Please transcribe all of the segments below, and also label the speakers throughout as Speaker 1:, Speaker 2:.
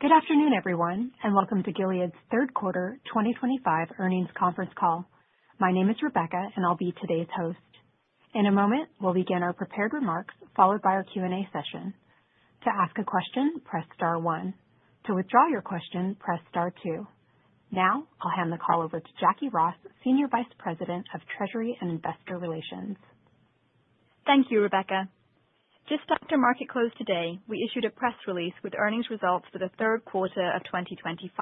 Speaker 1: Good afternoon, everyone, and welcome to Gilead's third quarter 2025 earnings conference call. My name is Rebecca, and I'll be today's host. In a moment, we'll begin our prepared remarks, followed by our Q&A session. To ask a question, press star one. To withdraw your question, press star two. Now, I'll hand the call over to Jacquie Ross, Senior Vice President of Treasury and Investor Relations.
Speaker 2: Thank you, Rebecca. Just after market close today, we issued a press release with earnings results for the third quarter of 2025.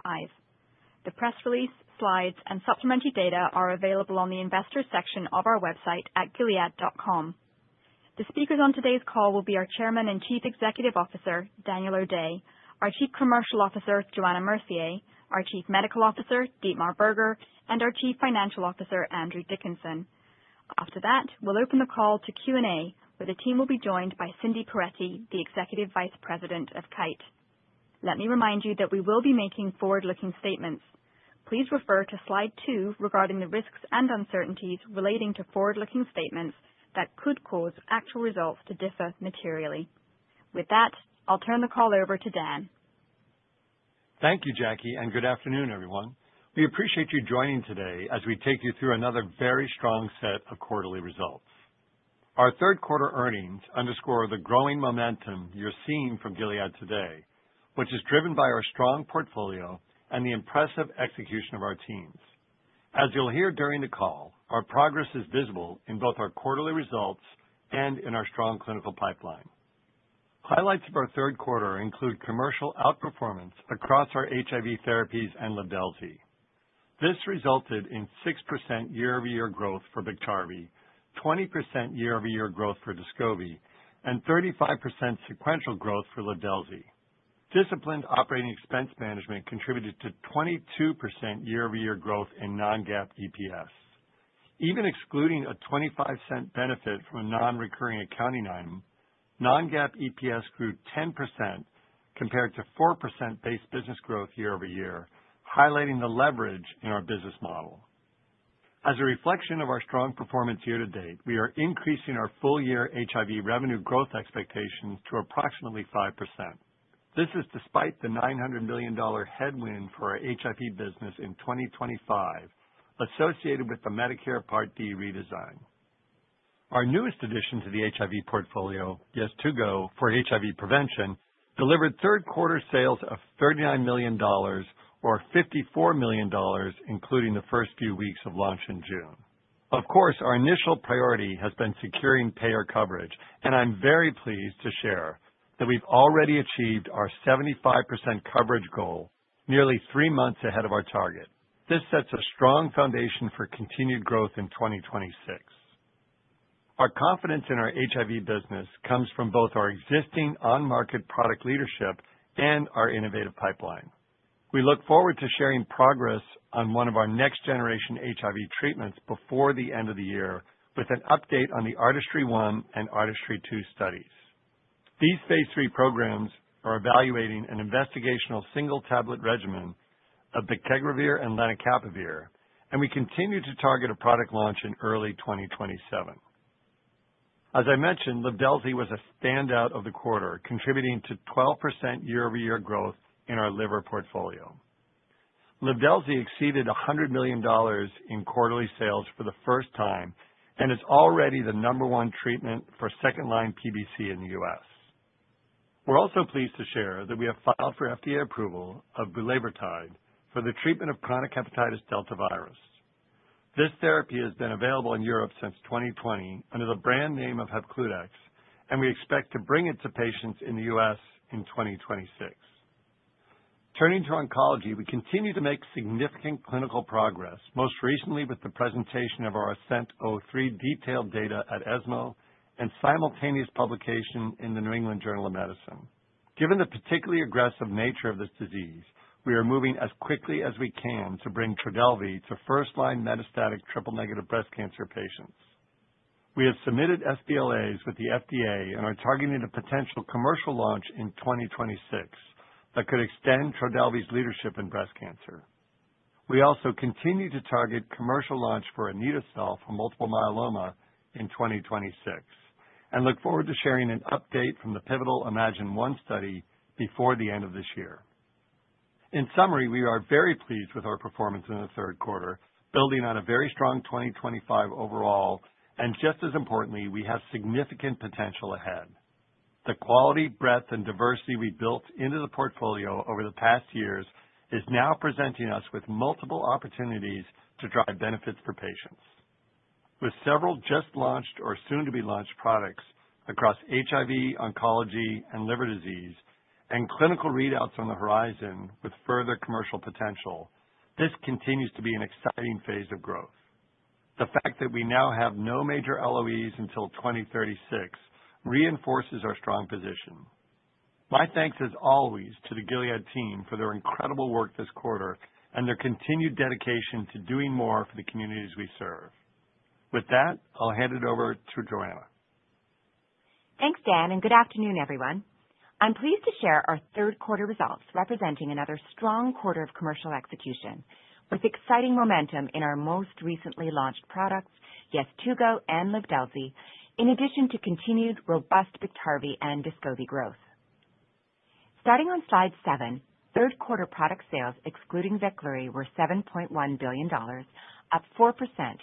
Speaker 2: The press release, slides, and supplementary data are available on the investor section of our website at gilead.com. The speakers on today's call will be our Chairman and Chief Executive Officer, Daniel O'Day, our Chief Commercial Officer, Johanna Mercier, our Chief Medical Officer, Dietmar Berger, and our Chief Financial Officer, Andrew Dickinson. After that, we'll open the call to Q&A, where the team will be joined by Cindy Perettie, the Executive Vice President of Kite. Let me remind you that we will be making forward-looking statements. Please refer to slide two regarding the risks and uncertainties relating to forward-looking statements that could cause actual results to differ materially. With that, I'll turn the call over to Dan.
Speaker 3: Thank you, Jacquie, and good afternoon, everyone. We appreciate you joining today as we take you through another very strong set of quarterly results. Our third quarter earnings underscore the growing momentum you're seeing from Gilead today, which is driven by our strong portfolio and the impressive execution of our teams. As you'll hear during the call, our progress is visible in both our quarterly results and in our strong clinical pipeline. Highlights of our third quarter include commercial outperformance across our HIV therapies and Livdelzi. This resulted in 6% year-over-year growth for Biktarvy, 20% year-over-year growth for Descovy, and 35% sequential growth for Livdelzi. Disciplined operating expense management contributed to 22% year-over-year growth in non-GAAP EPS. Even excluding a $0.25 benefit from a non-recurring accounting item, non-GAAP EPS grew 10% compared to 4% base business growth year-over-year, highlighting the leverage in our business model. As a reflection of our strong performance year to date, we are increasing our full-year HIV revenue growth expectations to approximately 5%. This is despite the $900 million headwind for our HIV business in 2025, associated with the Medicare Part D redesign. Our newest addition to the HIV portfolio, Yeztugo, for HIV prevention, delivered third quarter sales of $39 million, or $54 million, including the first few weeks of launch in June. Of course, our initial priority has been securing payer coverage, and I'm very pleased to share that we've already achieved our 75% coverage goal, nearly three months ahead of our target. This sets a strong foundation for continued growth in 2026. Our confidence in our HIV business comes from both our existing on-market product leadership and our innovative pipeline. We look forward to sharing progress on one of our next-generation HIV treatments before the end of the year, with an update on the ARTISTRY-1 and ARTISTRY-2 studies. These phase III programs are evaluating an investigational single tablet regimen of Biktarvy and lenacapavir, and we continue to target a product launch in early 2027. As I mentioned, Livdelzi was a standout of the quarter, contributing to 12% year-over-year growth in our liver portfolio. Livdelzi exceeded $100 million in quarterly sales for the first time and is already the number one treatment for second-line PBC in the U.S. We're also pleased to share that we have filed for FDA approval of bulevirtide for the treatment of chronic hepatitis delta virus. This therapy has been available in Europe since 2020 under the brand name of Hepcludex, and we expect to bring it to patients in the U.S. in 2026. Turning to oncology, we continue to make significant clinical progress, most recently with the presentation of our ASCENT-03 detailed data at ESMO and simultaneous publication in the New England Journal of Medicine. Given the particularly aggressive nature of this disease, we are moving as quickly as we can to bring Trodelvy to first-line metastatic triple-negative breast cancer patients. We have submitted sBLAs with the FDA and are targeting a potential commercial launch in 2026 that could extend Trodelvy's leadership in breast cancer. We also continue to target commercial launch for anito-cel for multiple myeloma in 2026 and look forward to sharing an update from the pivotal iMMagine-1 study before the end of this year. In summary, we are very pleased with our performance in the third quarter, building on a very strong 2025 overall, and just as importantly, we have significant potential ahead. The quality, breadth, and diversity we built into the portfolio over the past years is now presenting us with multiple opportunities to drive benefits for patients. With several just launched or soon-to-be-launched products across HIV, oncology, and liver disease, and clinical readouts on the horizon with further commercial potential, this continues to be an exciting phase of growth. The fact that we now have no major LOEs until 2036 reinforces our strong position. My thanks, as always, to the Gilead team for their incredible work this quarter and their continued dedication to doing more for the communities we serve. With that, I'll hand it over to Johanna.
Speaker 4: Thanks, Dan, and good afternoon, everyone. I'm pleased to share our third quarter results representing another strong quarter of commercial execution, with exciting momentum in our most recently launched products, Yeztugo and Livdelzi, in addition to continued robust Biktarvy and Descovy growth. Starting on slide seven, third quarter product sales, excluding Veklury, were $7.1 billion, up 4%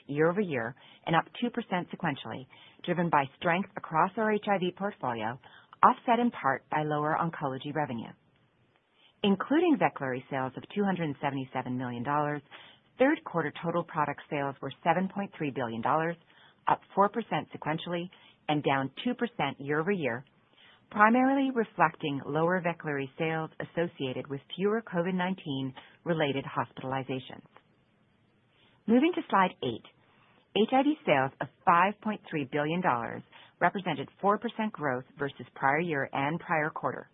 Speaker 4: year-over-year and up 2% sequentially, driven by strength across our HIV portfolio, offset in part by lower oncology revenue. Including Veklury sales of $277 million, third quarter total product sales were $7.3 billion, up 4% sequentially and down 2% year-over-year, primarily reflecting lower Veklury sales associated with fewer COVID-19-related hospitalizations. Moving to slide eight, HIV sales of $5.3 billion represented 4% growth versus prior year and prior quarter,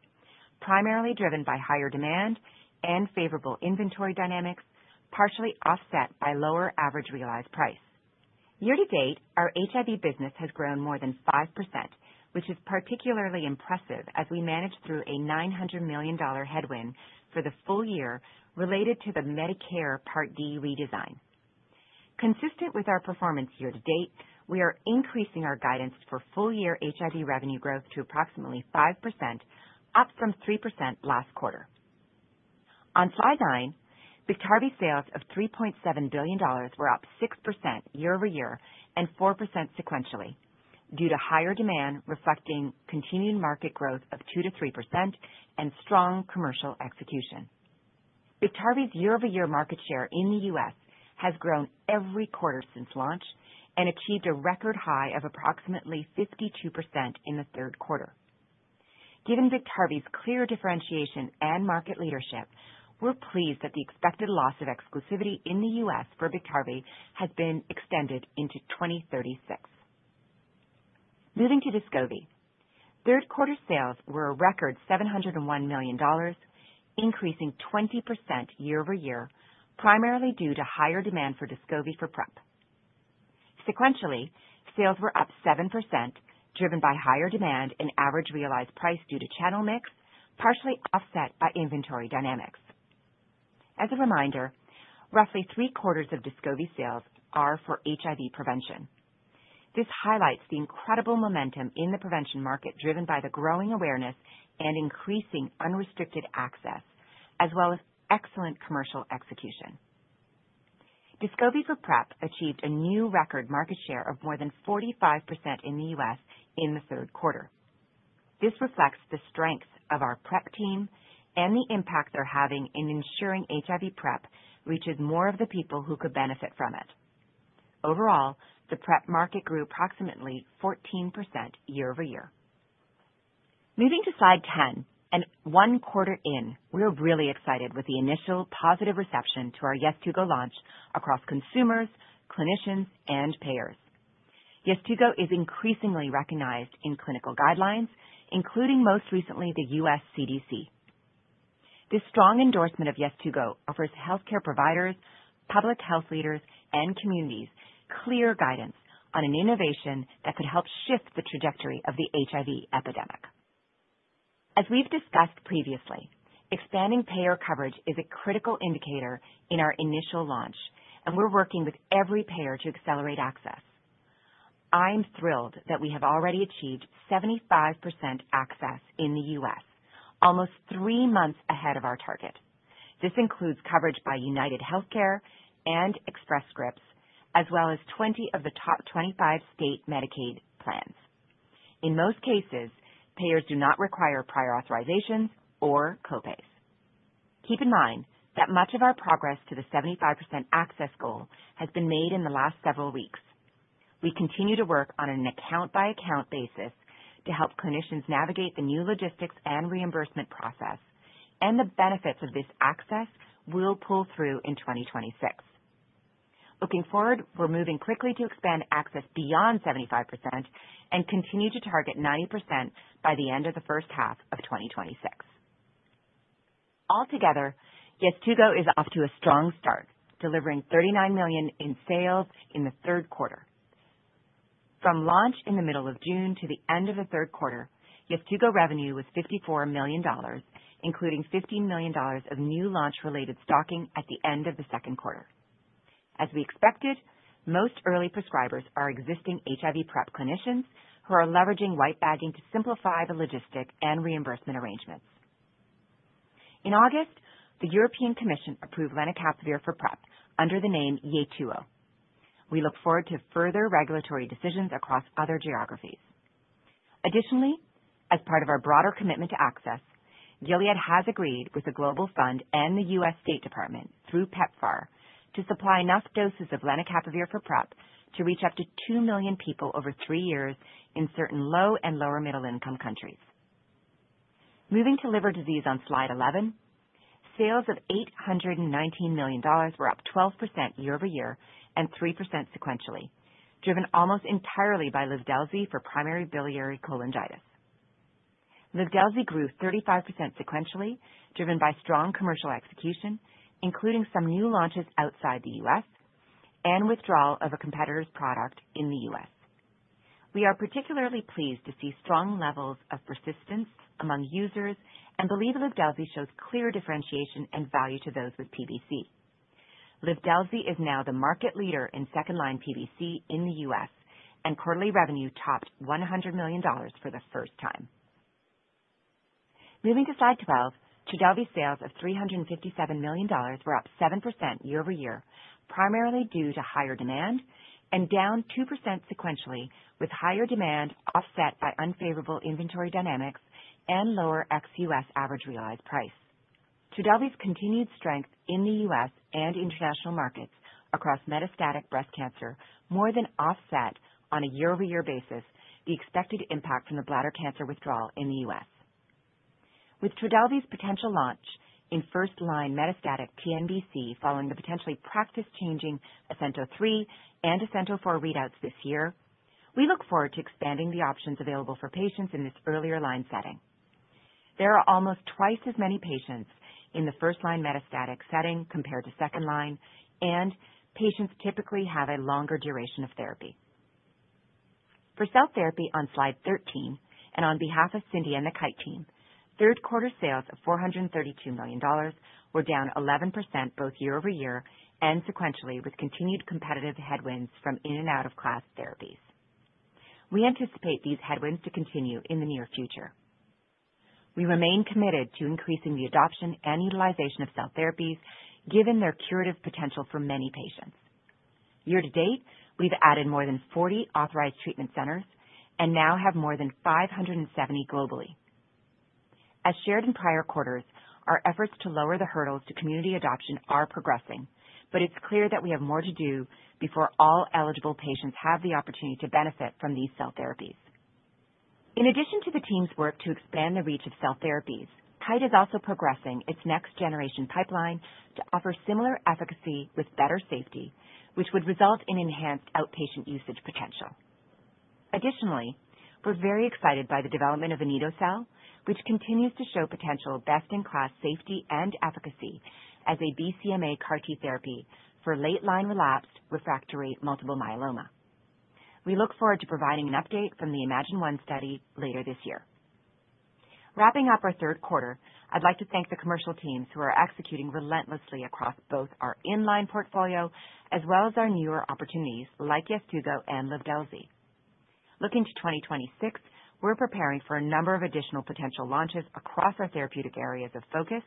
Speaker 4: primarily driven by higher demand and favorable inventory dynamics, partially offset by lower average realized price. Year to date, our HIV business has grown more than 5%, which is particularly impressive as we managed through a $900 million headwind for the full year related to the Medicare Part D redesign. Consistent with our performance year to date, we are increasing our guidance for full-year HIV revenue growth to approximately 5%, up from 3% last quarter. On slide nine, Biktarvy sales of $3.7 billion were up 6% year-over-year and 4% sequentially due to higher demand reflecting continued market growth of 2% to 3% and strong commercial execution. Biktarvy's year-over-year market share in the U.S. has grown every quarter since launch and achieved a record high of approximately 52% in the third quarter. Given Biktarvy's clear differentiation and market leadership, we're pleased that the expected loss of exclusivity in the U.S. for Biktarvy has been extended into 2036. Moving to Descovy, third quarter sales were a record $701 million, increasing 20% year-over-year, primarily due to higher demand for Descovy for PrEP. Sequentially, sales were up 7%, driven by higher demand and average realized price due to channel mix, partially offset by inventory dynamics. As a reminder, roughly three-quarters of Descovy sales are for HIV prevention. This highlights the incredible momentum in the prevention market, driven by the growing awareness and increasing unrestricted access, as well as excellent commercial execution. Descovy for PrEP achieved a new record market share of more than 45% in the U.S. in the third quarter. This reflects the strength of our PrEP team and the impact they're having in ensuring HIV PrEP reaches more of the people who could benefit from it. Overall, the PrEP market grew approximately 14% year-over-year. Moving to slide 10, and one quarter in, we're really excited with the initial positive reception to our Yeztugo launch across consumers, clinicians, and payers. Yeztugo is increasingly recognized in clinical guidelines, including most recently the U.S. CDC. This strong endorsement of Yeztugo offers healthcare providers, public health leaders, and communities clear guidance on an innovation that could help shift the trajectory of the HIV epidemic. As we've discussed previously, expanding payer coverage is a critical indicator in our initial launch, and we're working with every payer to accelerate access. I'm thrilled that we have already achieved 75% access in the U.S., almost three months ahead of our target. This includes coverage by UnitedHealthcare and Express Scripts, as well as 20 of the top 25 state Medicaid plans. In most cases, payers do not require prior authorizations or copays. Keep in mind that much of our progress to the 75% access goal has been made in the last several weeks. We continue to work on an account-by-account basis to help clinicians navigate the new logistics and reimbursement process, and the benefits of this access will pull through in 2026. Looking forward, we're moving quickly to expand access beyond 75% and continue to target 90% by the end of the first half of 2026. Altogether, Yeztugo is off to a strong start, delivering $39 million in sales in the third quarter. From launch in the middle of June to the end of the third quarter, Yeztugo revenue was $54 million, including $15 million of new launch-related stocking at the end of the second quarter. As we expected, most early prescribers are existing HIV PrEP clinicians who are leveraging white bagging to simplify the logistic and reimbursement arrangements. In August, the European Commission approved lenacapavir for PrEP under the name Yeytuo. We look forward to further regulatory decisions across other geographies. Additionally, as part of our broader commitment to access, Gilead has agreed with the Global Fund and the U.S. Department of State through PEPFAR to supply enough doses of lenacapavir for PrEP to reach up to 2 million people over three years in certain low and lower-middle-income countries. Moving to liver disease on slide 11, sales of $819 million were up 12% year-over-year and 3% sequentially, driven almost entirely by Livdelzi for primary biliary cholangitis. Livdelzi grew 35% sequentially, driven by strong commercial execution, including some new launches outside the U.S. and withdrawal of a competitor's product in the U.S. We are particularly pleased to see strong levels of persistence among users and believe Livdelzi shows clear differentiation and value to those with PBC. Livdelzi is now the market leader in second-line PBC in the U.S., and quarterly revenue topped $100 million for the first time. Moving to slide 12, Trodelvy's sales of $357 million were up 7% year-over-year, primarily due to higher demand and down 2% sequentially, with higher demand offset by unfavorable inventory dynamics and lower ex-U.S. average realized price. Trodelvy's continued strength in the U.S. and international markets across metastatic breast cancer more than offset on a year-over-year basis the expected impact from the bladder cancer withdrawal in the U.S. With Trodelvy's potential launch in first-line metastatic TNBC following the potentially practice-changing ASCENT-03 and ASCENT-04 readouts this year, we look forward to expanding the options available for patients in this earlier line setting. There are almost twice as many patients in the first-line metastatic setting compared to second-line, and patients typically have a longer duration of therapy. For cell therapy on slide 13, and on behalf of Cindy and the Kite team, third-quarter sales of $432 million were down 11% both year-over-year and sequentially with continued competitive headwinds from in- and out-of-class therapies. We anticipate these headwinds to continue in the near future. We remain committed to increasing the adoption and utilization of cell therapies, given their curative potential for many patients. Year to date, we've added more than 40 authorized treatment centers and now have more than 570 globally. As shared in prior quarters, our efforts to lower the hurdles to community adoption are progressing, but it's clear that we have more to do before all eligible patients have the opportunity to benefit from these cell therapies. In addition to the team's work to expand the reach of cell therapies, Kite is also progressing its next-generation pipeline to offer similar efficacy with better safety, which would result in enhanced outpatient usage potential. Additionally, we're very excited by the development of anito-cel, which continues to show potential best-in-class safety and efficacy as a BCMA CAR-T therapy for late-line relapsed refractory multiple myeloma. We look forward to providing an update from the iMMagine-1 study later this year. Wrapping up our third quarter, I'd like to thank the commercial teams who are executing relentlessly across both our in-line portfolio as well as our newer opportunities like Yeztugo and Livdelzi. Looking to 2026, we're preparing for a number of additional potential launches across our therapeutic areas of focus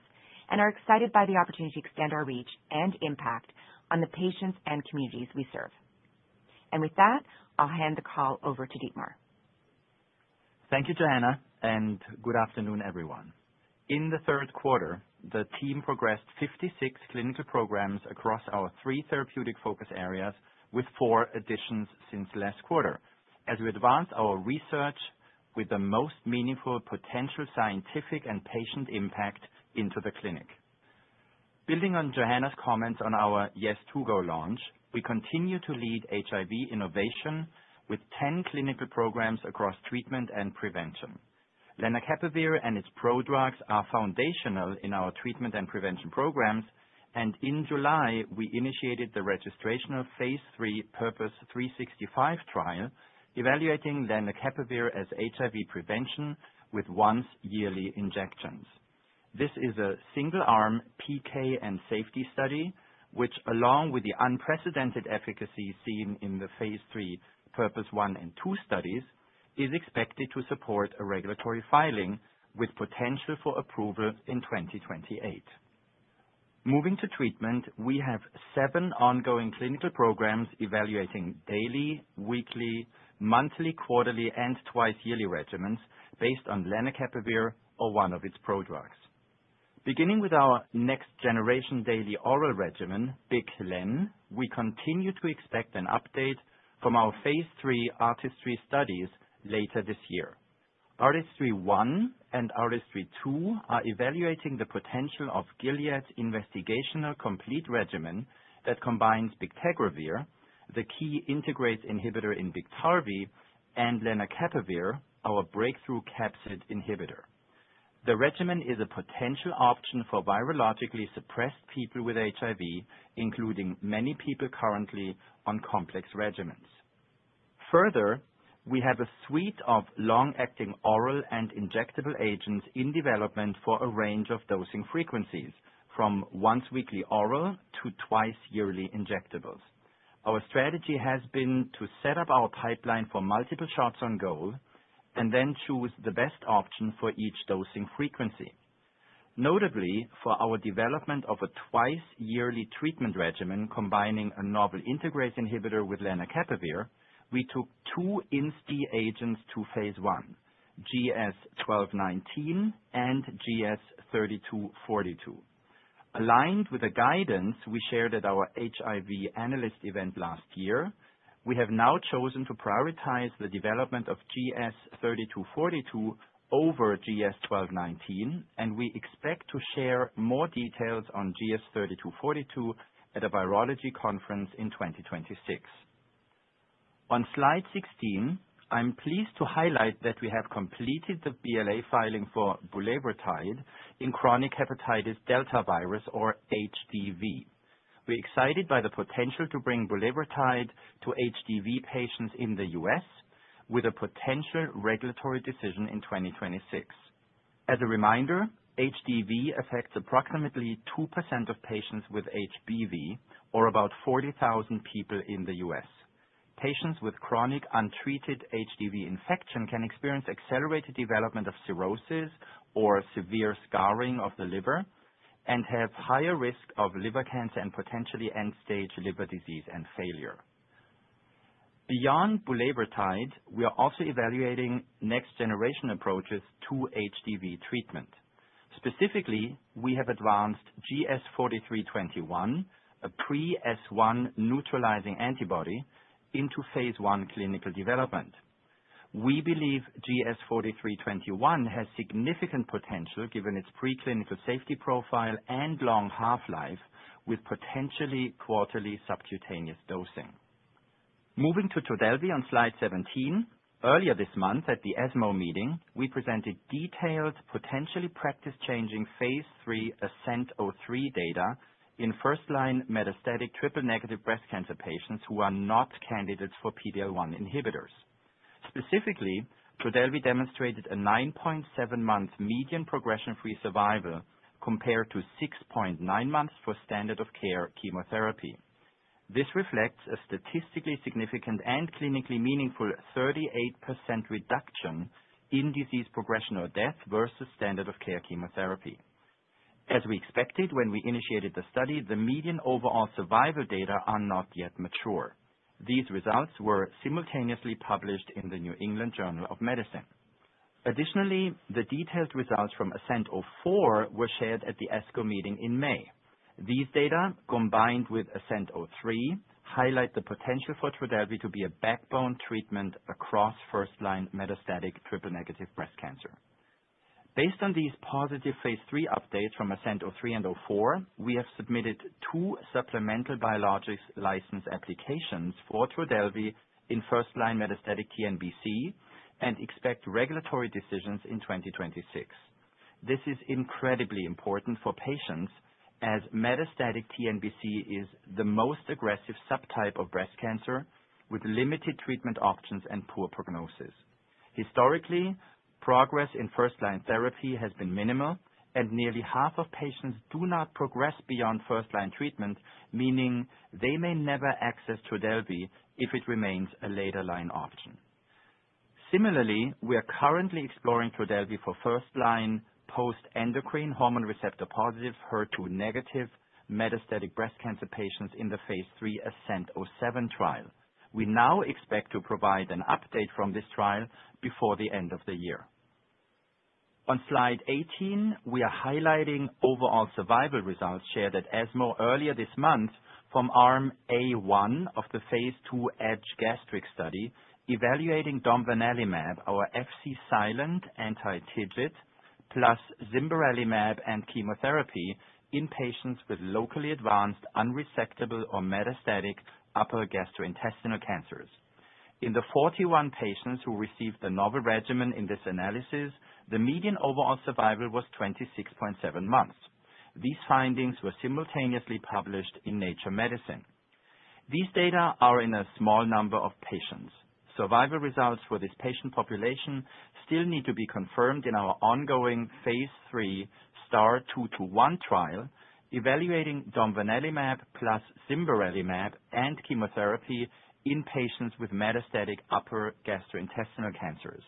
Speaker 4: and are excited by the opportunity to extend our reach and impact on the patients and communities we serve. With that, I'll hand the call over to Dietmar.
Speaker 5: Thank you, Johanna, and good afternoon, everyone. In the third quarter, the team progressed 56 clinical programs across our three therapeutic focus areas, with four additions since last quarter, as we advance our research with the most meaningful potential scientific and patient impact into the clinic. Building on Johanna's comments on our Yeztugo launch, we continue to lead HIV innovation with 10 clinical programs across treatment and prevention. Lenacapavir and its prodrugs are foundational in our treatment and prevention programs, and in July, we initiated the registrational phase III PURPOSE 365 trial, evaluating lenacapavir as HIV prevention with once-yearly injections. This is a single-arm PK and safety study, which, along with the unprecedented efficacy seen in the phase III PURPOSE one and two studies, is expected to support a regulatory filing with potential for approval in 2028. Moving to treatment, we have seven ongoing clinical programs evaluating daily, weekly, monthly, quarterly, and twice-yearly regimens based on lenacapavir or one of its prodrugs. Beginning with our next-generation daily oral regimen, bictegravir/lenacapavir, we continue to expect an update from our phase IIIARTISTRY studies later this year. ARTISTRY-1 and ARTISTRY-2 are evaluating the potential of Gilead's investigational complete regimen that combines bictegravir, the key integrase inhibitor in Biktarvy, and lenacapavir, our breakthrough capsid inhibitor. The regimen is a potential option for virologically suppressed people with HIV, including many people currently on complex regimens. Further, we have a suite of long-acting oral and injectable agents in development for a range of dosing frequencies, from once-weekly oral to twice-yearly injectables. Our strategy has been to set up our pipeline for multiple shots on goal and then choose the best option for each dosing frequency. Notably, for our development of a twice-yearly treatment regimen combining a novel integrase inhibitor with lenacapavir, we took two INSTI agents to phase I, GS-1219 and GS-3242. Aligned with the guidance we shared at our HIV analyst event last year, we have now chosen to prioritize the development of GS-3242 over GS-1219, and we expect to share more details on GS-3242 at a virology conference in 2026. On slide 16, I'm pleased to highlight that we have completed the BLA filing for bulevertide in chronic hepatitis delta virus, or HDV. We're excited by the potential to bring bulevertide to HDV patients in the U.S. with a potential regulatory decision in 2026. As a reminder, HDV affects approximately 2% of patients with HBV, or about 40,000 people in the U.S. Patients with chronic untreated HDV infection can experience accelerated development of cirrhosis or severe scarring of the liver and have higher risk of liver cancer and potentially end-stage liver disease and failure. Beyond bulevertide, we are also evaluating next-generation approaches to HDV treatment. Specifically, we have advanced GS-4321, a pre-S1 neutralizing antibody, into phase I clinical development. We believe GS-4321 has significant potential given its preclinical safety profile and long half-life with potentially quarterly subcutaneous dosing. Moving to Trodelvy on slide 17, earlier this month at the ESMO meeting, we presented detailed potentially practice-changing phase III ASCENT-03 data in first-line metastatic triple-negative breast cancer patients who are not candidates for PD-L1 inhibitors. Specifically, Trodelvy demonstrated a 9.7-month median progression-free survival compared to 6.9 months for standard-of-care chemotherapy. This reflects a statistically significant and clinically meaningful 38% reduction in disease progression or death versus standard-of-care chemotherapy. As we expected when we initiated the study, the median overall survival data are not yet mature. These results were simultaneously published in the New England Journal of Medicine. Additionally, the detailed results from ASCENT-04 were shared at the ESMO meeting in May. These data, combined with ASCENT-03, highlight the potential for Trodelvy to be a backbone treatment across first-line metastatic triple-negative breast cancer. Based on these positive phase III updates from ASCENT-03 and ASCENT-04, we have submitted two supplemental Biologics License Applications for Trodelvy in first-line metastatic TNBC and expect regulatory decisions in 2026. This is incredibly important for patients as metastatic TNBC is the most aggressive subtype of breast cancer with limited treatment options and poor prognosis. Historically, progress in first-line therapy has been minimal, and nearly half of patients do not progress beyond first-line treatment, meaning they may never access Trodelvy if it remains a later-line option. Similarly, we are currently exploring Trodelvy for first-line post-endocrine hormone receptor-positive, HER2-negative metastatic breast cancer patients in the phase III ASCENT-07 trial. We now expect to provide an update from this trial before the end of the year. On slide 18, we are highlighting overall survival results shared at ESMO earlier this month from arm A1 of the phase II EDGE-Gastric study evaluating domvanalimab, our Fc-silent anti-TIGIT, plus zimberelimab and chemotherapy in patients with locally advanced unresectable or metastatic upper gastrointestinal cancers. In the 41 patients who received the novel regimen in this analysis, the median overall survival was 26.7 months. These findings were simultaneously published in Nature Medicine. These data are in a small number of patients. Survival results for this patient population still need to be confirmed in our ongoing phase III STAR-221 trial evaluating domvanalimab plus zimberelimab and chemotherapy in patients with metastatic upper gastrointestinal cancers.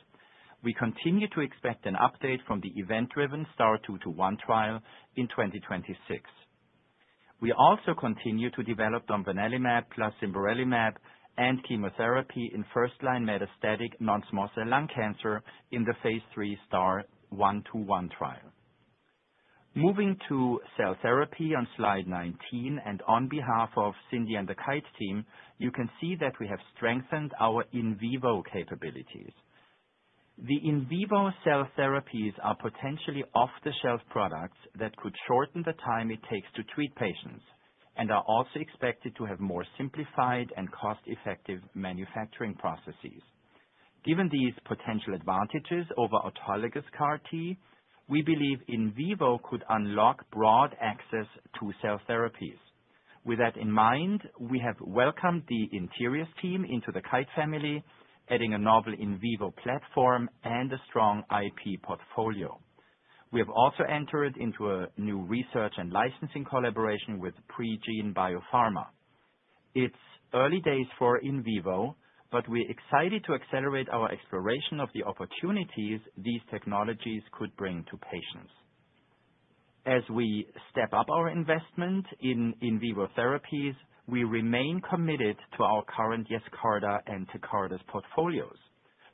Speaker 5: We continue to expect an update from the event-driven STAR-221 trial in 2026. We also continue to develop domvanalimab plus zimberelimab and chemotherapy in first-line metastatic non-small cell lung cancer in the phase III STAR-121 trial. Moving to cell therapy on slide 19, and on behalf of Cindy and the Kite team, you can see that we have strengthened our in vivo capabilities. The in vivo cell therapies are potentially off-the-shelf products that could shorten the time it takes to treat patients and are also expected to have more simplified and cost-effective manufacturing processes. Given these potential advantages over autologous CAR-T, we believe in vivo could unlock broad access to cell therapies. With that in mind, we have welcomed the Interius team into the Kite family, adding a novel in vivo platform and a strong IP portfolio. We have also entered into a new research and licensing collaboration with Pregene Biopharma. It's early days for in vivo, but we're excited to accelerate our exploration of the opportunities these technologies could bring to patients. As we step up our investment in in vivo therapies, we remain committed to our current Yescarta and Tecartus portfolios.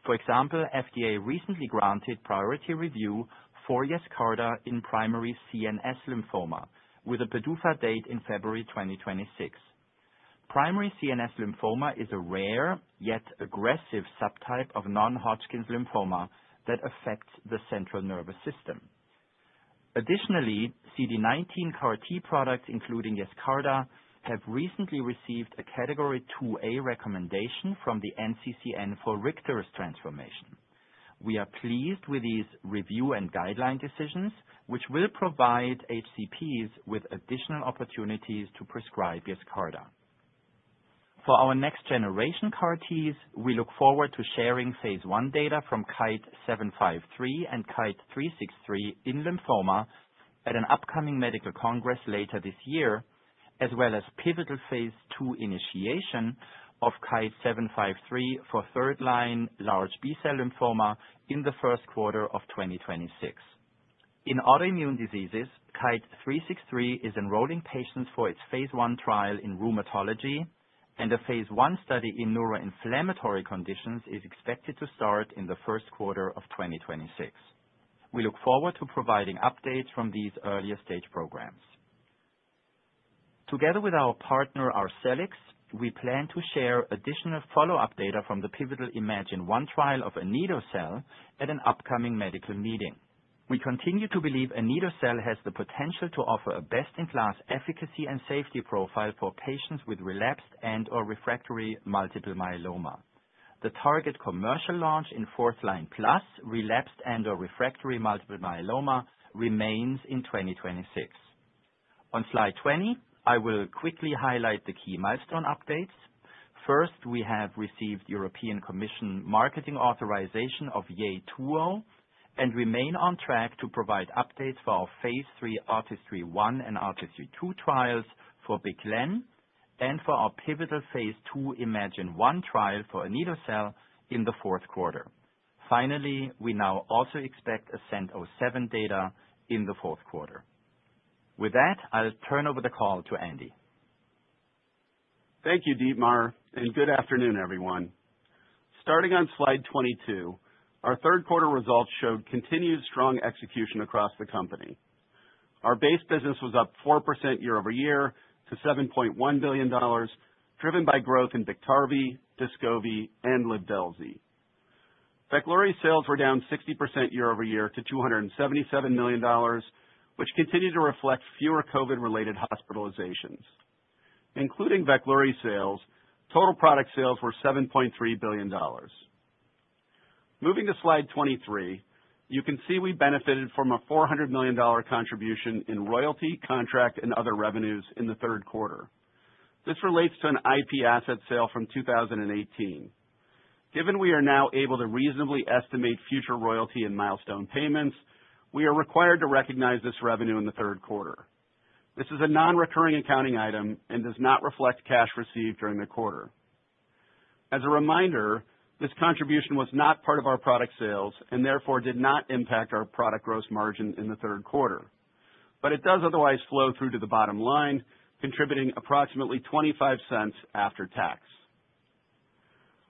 Speaker 5: For example, FDA recently granted priority review for Yescarta in primary CNS lymphoma with a PDUFA date in February 2026. Primary CNS lymphoma is a rare yet aggressive subtype of non-Hodgkin's lymphoma that affects the central nervous system. Additionally, CD19 CAR-T products, including Yescarta, have recently received a category 2A recommendation from the NCCN for Richter's transformation. We are pleased with these review and guideline decisions, which will provide HCPs with additional opportunities to prescribe Yescarta. For our next-generation CAR-Ts, we look forward to sharing phase I data from Kite-753 and Kite-363 in lymphoma at an upcoming medical congress later this year, as well as pivotal phase II initiation of Kite-753 for third-line large B-cell lymphoma in the first quarter of 2026. In autoimmune diseases, Kite-363 is enrolling patients for its phase I trial in rheumatology, and a phase I study in neuroinflammatory conditions is expected to start in the first quarter of 2026. We look forward to providing updates from these earlier stage programs. Together with our partner, Arcellx, we plan to share additional follow-up data from the pivotal iMMagine-1 trial of anito-cel at an upcoming medical meeting. We continue to believe anito-cel has the potential to offer a best-in-class efficacy and safety profile for patients with relapsed and/or refractory multiple myeloma. The target commercial launch in fourth-line plus relapsed and/or refractory multiple myeloma remains in 2026. On slide 20, I will quickly highlight the key milestone updates. First, we have received European Commission marketing authorization of Yeytuo and remain on track to provide updates for our phase III ARTISTRY-1 and ARTISTRY-2 trials for bictegravir/lenacapavir and for our pivotal phase II iMMagine-1 trial for anito-cel in the fourth quarter. Finally, we now also expect ASCENT-07 data in the fourth quarter. With that, I'll turn over the call to Andy. Thank you, Dietmar, and good afternoon, everyone.
Speaker 6: Starting on slide 22, our third-quarter results showed continued strong execution across the company. Our base business was up 4% year-over-year to $7.1 billion, driven by growth in Biktarvy, Descovy, and Livdelzi. Veklury sales were down 60% year-over-year to $277 million, which continued to reflect fewer COVID-related hospitalizations. Including Veklury sales, total product sales were $7.3 billion. Moving to slide 23, you can see we benefited from a $400 million contribution in royalty, contract, and other revenues in the third quarter. This relates to an IP asset sale from 2018. Given we are now able to reasonably estimate future royalty and milestone payments, we are required to recognize this revenue in the third quarter. This is a non-recurring accounting item and does not reflect cash received during the quarter. As a reminder, this contribution was not part of our product sales and therefore did not impact our product gross margin in the third quarter, but it does otherwise flow through to the bottom line, contributing approximately $0.25 after tax.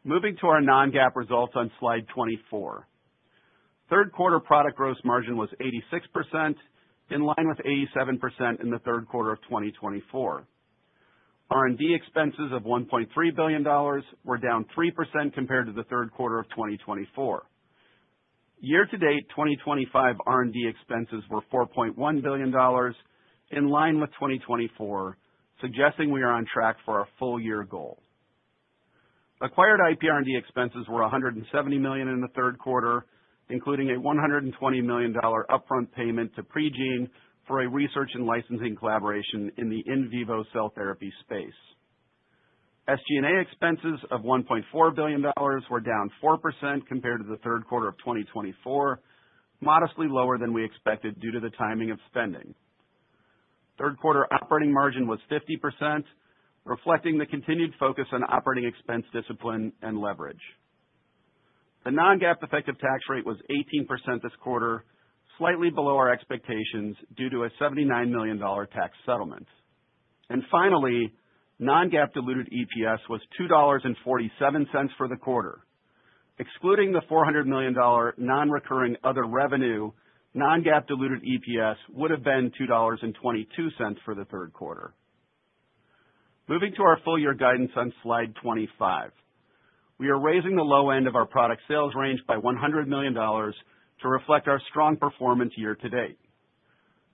Speaker 6: Moving to our non-GAAP results on slide 24, third-quarter product gross margin was 86%, in line with 87% in the third quarter of 2024. R&D expenses of $1.3 billion were down 3% compared to the third quarter of 2024. Year-to-date, 2025 R&D expenses were $4.1 billion, in line with 2024, suggesting we are on track for our full-year goal. Acquired IP R&D expenses were $170 million in the third quarter, including a $120 million upfront payment to Pregene for a research and licensing collaboration in the in vivo cell therapy space. SG&A expenses of $1.4 billion were down 4% compared to the third quarter of 2024, modestly lower than we expected due to the timing of spending. Third-quarter operating margin was 50%, reflecting the continued focus on operating expense discipline and leverage. The non-GAAP effective tax rate was 18% this quarter, slightly below our expectations due to a $79 million tax settlement. And finally, non-GAAP diluted EPS was $2.47 for the quarter. Excluding the $400 million non-recurring other revenue, non-GAAP diluted EPS would have been $2.22 for the third quarter. Moving to our full-year guidance on slide 25, we are raising the low end of our product sales range by $100 million to reflect our strong performance year-to-date.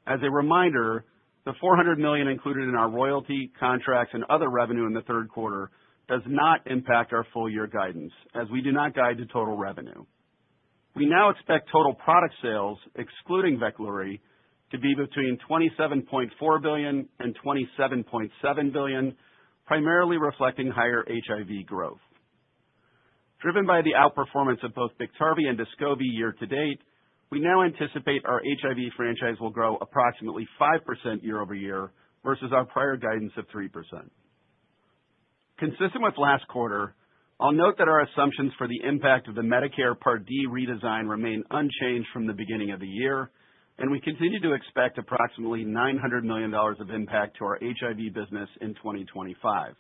Speaker 6: As a reminder, the $400 million included in our royalty, contracts, and other revenue in the third quarter does not impact our full-year guidance, as we do not guide the total revenue. We now expect total product sales, excluding Veklury, to be between $27.4-$27.7 billion, primarily reflecting higher HIV growth. Driven by the outperformance of both Biktarvy and Descovy year-to-date, we now anticipate our HIV franchise will grow approximately 5% year-over-year versus our prior guidance of 3%. Consistent with last quarter, I'll note that our assumptions for the impact of the Medicare Part D redesign remain unchanged from the beginning of the year, and we continue to expect approximately $900 million of impact to our HIV business in 2025.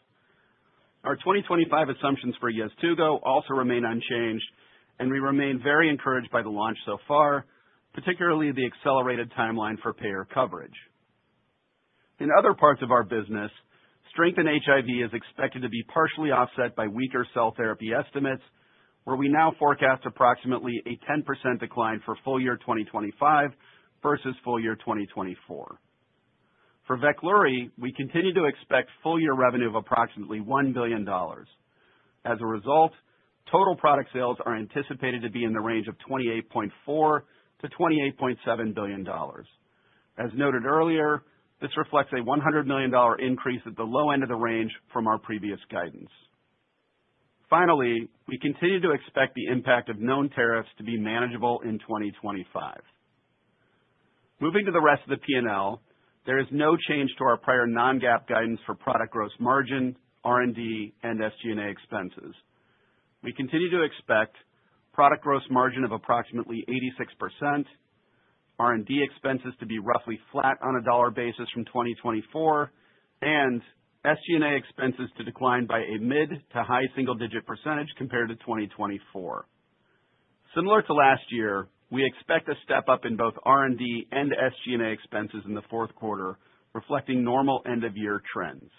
Speaker 6: Our 2025 assumptions for Yeztugo also remain unchanged, and we remain very encouraged by the launch so far, particularly the accelerated timeline for payer coverage. In other parts of our business, strength in HIV is expected to be partially offset by weaker cell therapy estimates, where we now forecast approximately a 10% decline for full-year 2025 versus full-year 2024. For Veklury, we continue to expect full-year revenue of approximately $1 billion. As a result, total product sales are anticipated to be in the range of $28.4-$28.7 billion. As noted earlier, this reflects a $100 million increase at the low end of the range from our previous guidance. Finally, we continue to expect the impact of known tariffs to be manageable in 2025. Moving to the rest of the P&L, there is no change to our prior non-GAAP guidance for product gross margin, R&D, and SG&A expenses. We continue to expect product gross margin of approximately 86%, R&D expenses to be roughly flat on a dollar basis from 2024, and SG&A expenses to decline by a mid- to high-single-digit percentage compared to 2024. Similar to last year, we expect a step up in both R&D and SG&A expenses in the fourth quarter, reflecting normal end-of-year trends.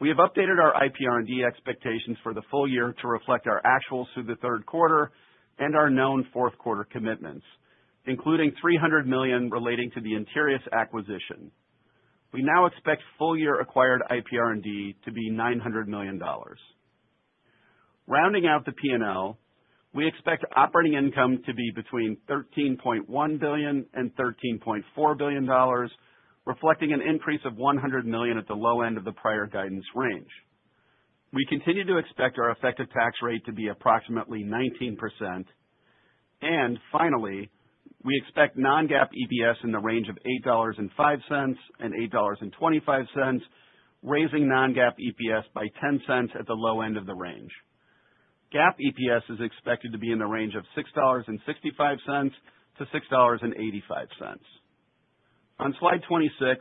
Speaker 6: We have updated our IP R&D expectations for the full year to reflect our actual through the third quarter and our known fourth-quarter commitments, including $300 million relating to the Interius acquisition. We now expect full-year acquired IP R&D to be $900 million. Rounding out the P&L, we expect operating income to be between $13.1 billion and $13.4 billion, reflecting an increase of $100 million at the low end of the prior guidance range. We continue to expect our effective tax rate to be approximately 19%. And finally, we expect non-GAAP EPS in the range of $8.05-$8.25, raising non-GAAP EPS by 10 cents at the low end of the range. GAAP EPS is expected to be in the range of $6.65-$6.85. On slide 26,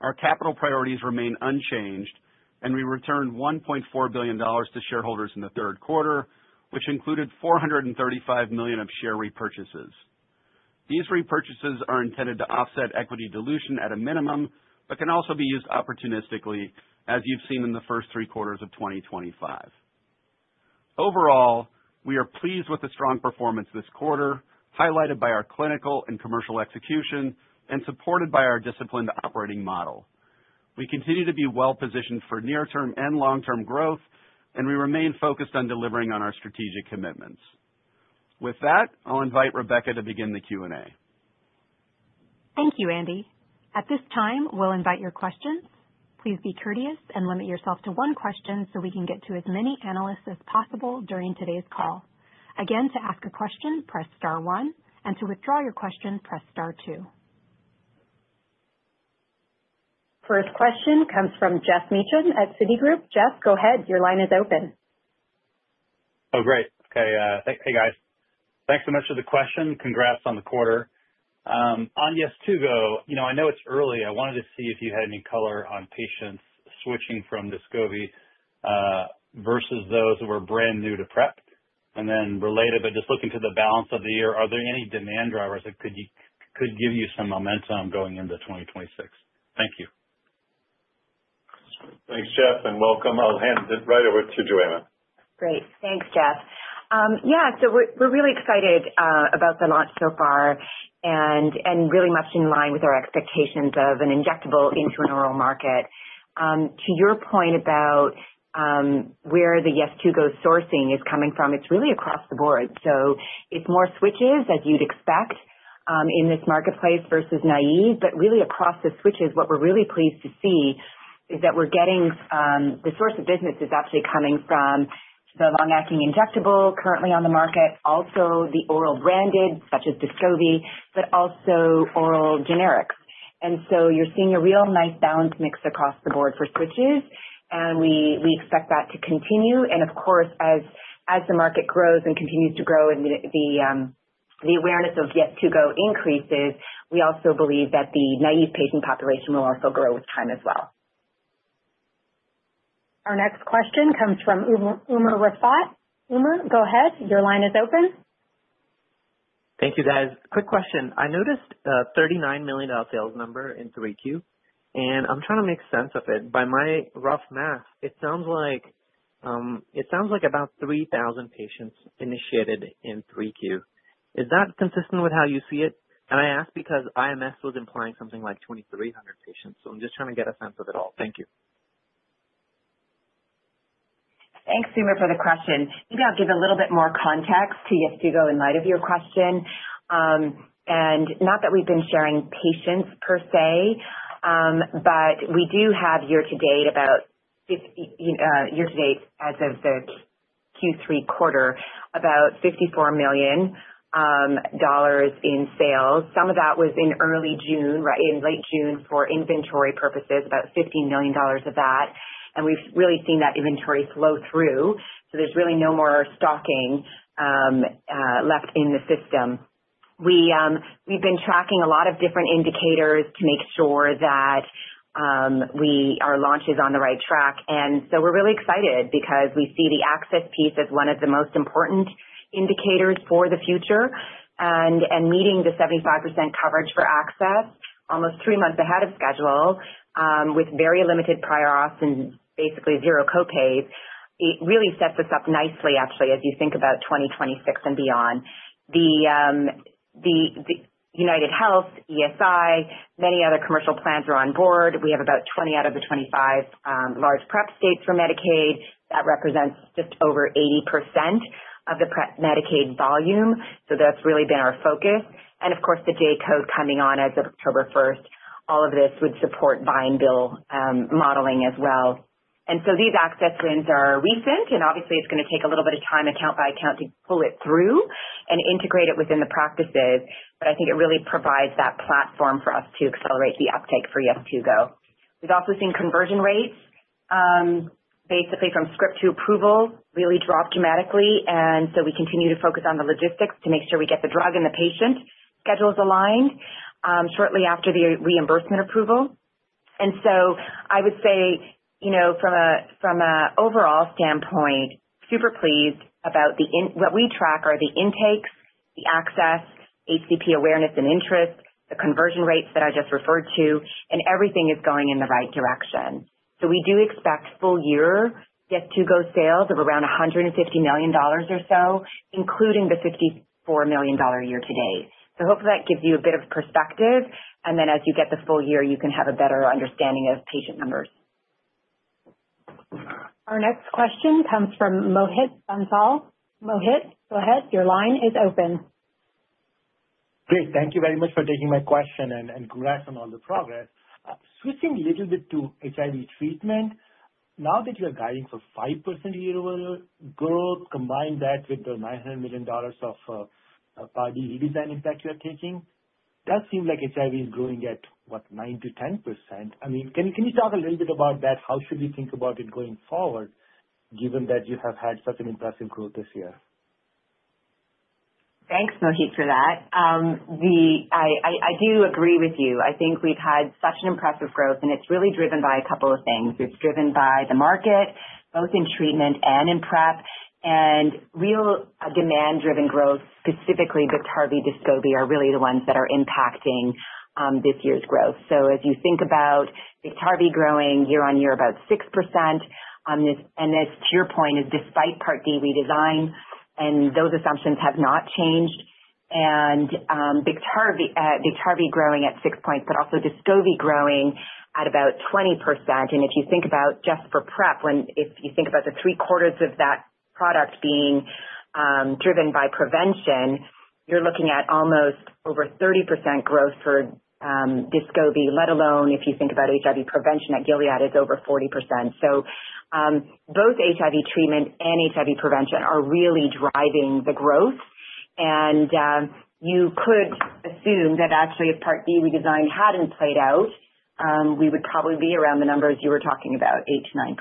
Speaker 6: our capital priorities remain unchanged, and we returned $1.4 billion to shareholders in the third quarter, which included $435 million of share repurchases. These repurchases are intended to offset equity dilution at a minimum but can also be used opportunistically, as you've seen in the first three quarters of 2025. Overall, we are pleased with the strong performance this quarter, highlighted by our clinical and commercial execution and supported by our disciplined operating model. We continue to be well-positioned for near-term and long-term growth, and we remain focused on delivering on our strategic commitments. With that, I'll invite Rebecca to begin the Q&A.
Speaker 1: Thank you, Andy. At this time, we'll invite your questions. Please be courteous and limit yourself to one question so we can get to as many analysts as possible during today's call. Again, to ask a question, press star one, and to withdraw your question, press star two. First question comes from Geoff Meacham at Citi. Geoff, go ahead. Your line is open.
Speaker 7: Oh, great. Okay. Hey, guys. Thanks so much for the question. Congrats on the Yeztugo, I know it's early. I wanted to see if you had any color on patients switching from Descovy versus those who are brand new to PrEP. And then related, but just looking to the balance of the year, are there any demand drivers that could give you some momentum going into 2026? Thank you.
Speaker 3: Thanks, Geoff, and welcome. I'll hand it right over to Johanna.
Speaker 4: Great. Thanks, Geoff. Yeah, so we're really excited about the launch so far and really much in line with our expectations of an injectable into an oral market. To your point about Yeztugo sourcing is coming from, it's really across the board, so it's more switches, as you'd expect, in this marketplace versus naive. But really, across the switches, what we're really pleased to see is that we're getting the source of business is actually coming from the long-acting injectable currently on the market, also the oral branded, such as Descovy, but also oral generics, and so you're seeing a real nice balance mix across the board for switches, and we expect that to continue, and of course, as the market grows and continues to grow and the Yeztugo increases, we also believe that the naive patient population will also grow with time as well.
Speaker 1: Our next question comes from Umer Raffat. Umer, go ahead. Your line is open.
Speaker 8: Thank you, guys. Quick question. I noticed a $39 million sales number in 3Q, and I'm trying to make sense of it. By my rough math, it sounds like about 3,000 patients initiated in 3Q. Is that consistent with how you see it? And I ask because IMS was implying something like 2,300 patients, so I'm just trying to get a sense of it all. Thank you.
Speaker 4: Thanks, Umer, for the question. Maybe I'll give a little bit more Yeztugo in light of your question, and not that we've been sharing patients per se, but we do have year-to-date as of the Q3 quarter, about $54 million in sales. Some of that was in early June, in late June for inventory purposes, about $15 million of that, and we've really seen that inventory flow through, so there's really no more stocking left in the system. We've been tracking a lot of different indicators to make sure that our launch is on the right track. And so we're really excited because we see the access piece as one of the most important indicators for the future. And meeting the 75% coverage for access almost three months ahead of schedule with very limited prior auths and basically zero copays, it really sets us up nicely, actually, as you think about 2026 and beyond. The UnitedHealthcare, ESI, many other commercial plans are on board. We have about 20 out of the 25 large PrEP states for Medicaid. That represents just over 80% of the PrEP Medicaid volume, so that's really been our focus. And of course, the J-code coming on as of October 1st, all of this would support buy and bill modeling as well. And so these access wins are recent, and obviously, it's going to take a little bit of time account by account to pull it through and integrate it within the practices, but I think it really provides that platform for us to accelerate the Yeztugo. We've also seen conversion rates basically from script to approval really drop dramatically, and so we continue to focus on the logistics to make sure we get the drug and the patient schedules aligned shortly after the reimbursement approval. And so I would say from an overall standpoint, super pleased about what we track are the intakes, the access, HCP awareness and interest, the conversion rates that I just referred to, and everything is going in the right direction. So we do Yeztugo sales of around $150 million or so, including the $54 million year-to-date. So hopefully, that gives you a bit of perspective, and then as you get the full year, you can have a better understanding of patient numbers.
Speaker 1: Our next question comes from Mohit Bansal. Mohit, go ahead. Your line is open.
Speaker 9: Great. Thank you very much for taking my question and congrats on all the progress. Switching a little bit to HIV treatment, now that you are guiding for 5% year-over-year growth, combine that with the $900 million of R&D redesign impact you are taking, it does seem like HIV is growing at, what, 9%-10%. I mean, can you talk a little bit about that? How should we think about it going forward, given that you have had such an impressive growth this year?
Speaker 4: Thanks, Mohit, for that. I do agree with you. I think we've had such an impressive growth, and it's really driven by a couple of things. It's driven by the market, both in treatment and in PrEP, and real demand-driven growth, specifically Biktarvy and Descovy, are really the ones that are impacting this year's growth. So as you think about Biktarvy growing year-on-year about 6%, and as to your point, it's despite Part D redesign, and those assumptions have not changed, and Biktarvy growing at 6 points, but also Descovy growing at about 20%, and if you think about just for PrEP, if you think about the three-quarters of that product being driven by prevention, you're looking at almost over 30% growth for Descovy. Let alone if you think about HIV prevention at Gilead, it's over 40%. So both HIV treatment and HIV prevention are really driving the growth, and you could assume that actually if Part D redesign hadn't played out, we would probably be around the numbers you were talking about, 8%-9%.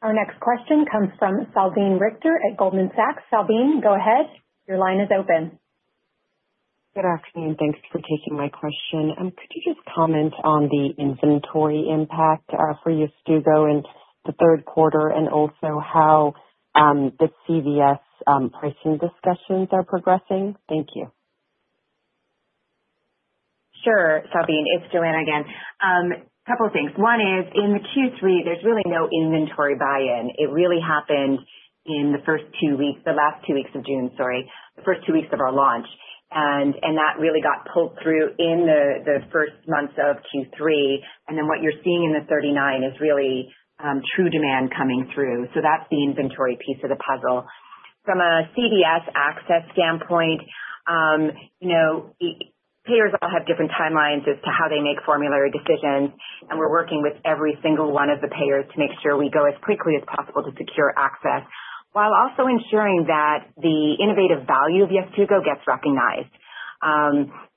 Speaker 1: Our next question comes from Salveen Richter at Goldman Sachs. Salveen, go ahead. Your line is open.
Speaker 10: Good afternoon. Thanks for taking my question. Could you just comment on the inventory Yeztugo in the third quarter and also how the CVS pricing discussions are progressing? Thank you.
Speaker 4: Sure. Salveen, it's Johanna again. A couple of things. One is in the Q3, there's really no inventory buy-in. It really happened in the first two weeks, the last two weeks of June, sorry, the first two weeks of our launch. And that really got pulled through in the first months of Q3. And then what you're seeing in the 39 is really true demand coming through. So that's the inventory piece of the puzzle. From a CVS access standpoint, payers all have different timelines as to how they make formulary decisions, and we're working with every single one of the payers to make sure we go as quickly as possible to secure access while also ensuring that the innovative Yeztugo gets recognized.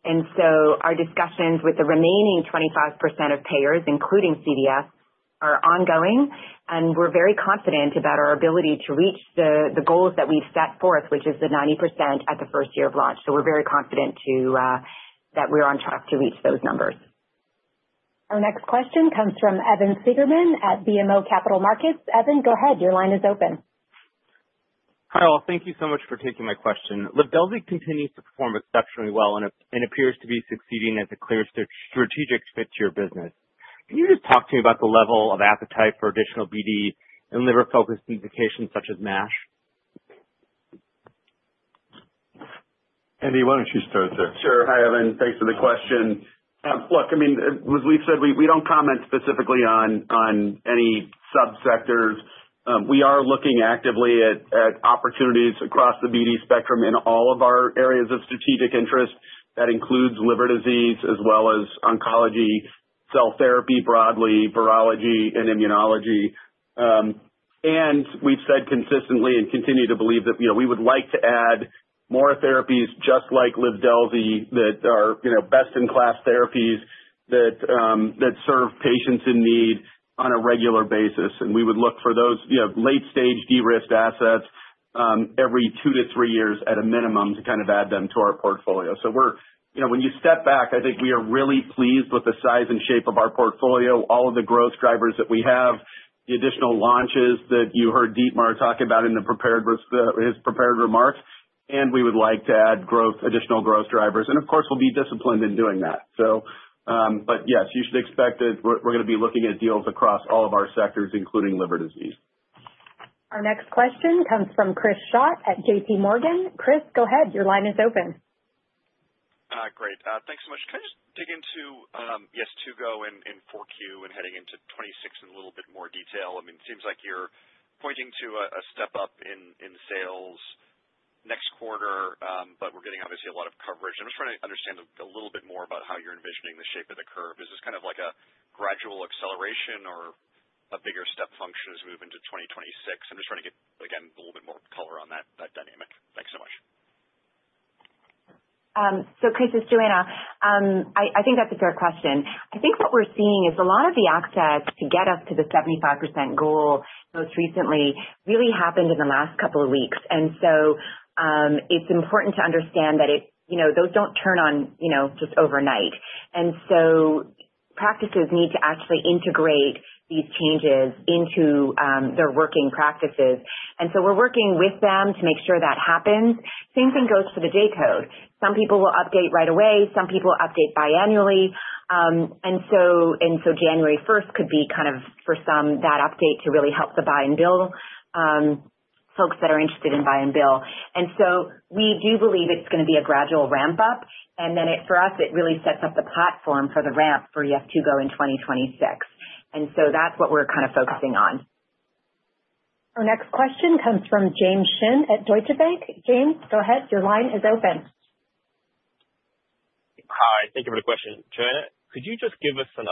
Speaker 4: And so our discussions with the remaining 25% of payers, including CVS, are ongoing, and we're very confident about our ability to reach the goals that we've set forth, which is the 90% at the first year of launch. So we're very confident that we're on track to reach those numbers.
Speaker 1: Our next question comes from Evan Seigerman at BMO Capital Markets. Evan, go ahead. Your line is open.
Speaker 11: Hi, all. Thank you so much for taking my question. Livdelzi continues to perform exceptionally well and appears to be succeeding as a clear strategic fit to your business. Can you just talk to me about the level of appetite for additional BD and liver-focused indications such as MASH?
Speaker 3: Andy, why don't you start there?
Speaker 6: Sure. Hi, Evan. Thanks for the question. Look, I mean, as we've said, we don't comment specifically on any subsectors. We are looking actively at opportunities across the BD spectrum in all of our areas of strategic interest. That includes liver disease as well as oncology, cell therapy broadly, virology, and immunology. And we've said consistently and continue to believe that we would like to add more therapies just like Livdelzi that are best-in-class therapies that serve patients in need on a regular basis. And we would look for those late-stage de-risked assets every two to three years at a minimum to kind of add them to our portfolio. So when you step back, I think we are really pleased with the size and shape of our portfolio, all of the growth drivers that we have, the additional launches that you heard Dietmar talk about in his prepared remarks, and we would like to add additional growth drivers. And of course, we'll be disciplined in doing that. But yes, you should expect that we're going to be looking at deals across all of our sectors, including liver disease.
Speaker 1: Our next question comes from Chris Schott at J.P. Morgan. Chris, go ahead. Your line is open.
Speaker 12: Great. Thanks so much. Can I just Yeztugo in 4Q and heading into 26 in a little bit more detail?I mean, it seems like you're pointing to a step up in sales next quarter, but we're getting obviously a lot of coverage. I'm just trying to understand a little bit more about how you're envisioning the shape of the curve. Is this kind of like a gradual acceleration or a bigger step function as we move into 2026? I'm just trying to get, again, a little bit more color on that dynamic. Thanks so much.
Speaker 4: So Chris, it's Johanna. I think that's a fair question. I think what we're seeing is a lot of the access to get us to the 75% goal most recently really happened in the last couple of weeks. And so it's important to understand that those don't turn on just overnight. And so practices need to actually integrate these changes into their working practices. And so we're working with them to make sure that happens. Same thing goes for the J-code. Some people will update right away. Some people update biannually. And so January 1st could be kind of, for some, that update to really help the buy and bill folks that are interested in buy and bill. And so we do believe it's going to be a gradual ramp-up, and then for us, it really sets up the platform for the Yeztugo in 2026. And so that's what we're kind of focusing on.
Speaker 1: Our next question comes from James Shin at Deutsche Bank. James, go ahead. Your line is open.
Speaker 13: Hi. Thank you for the question. Johanna, could you just give us an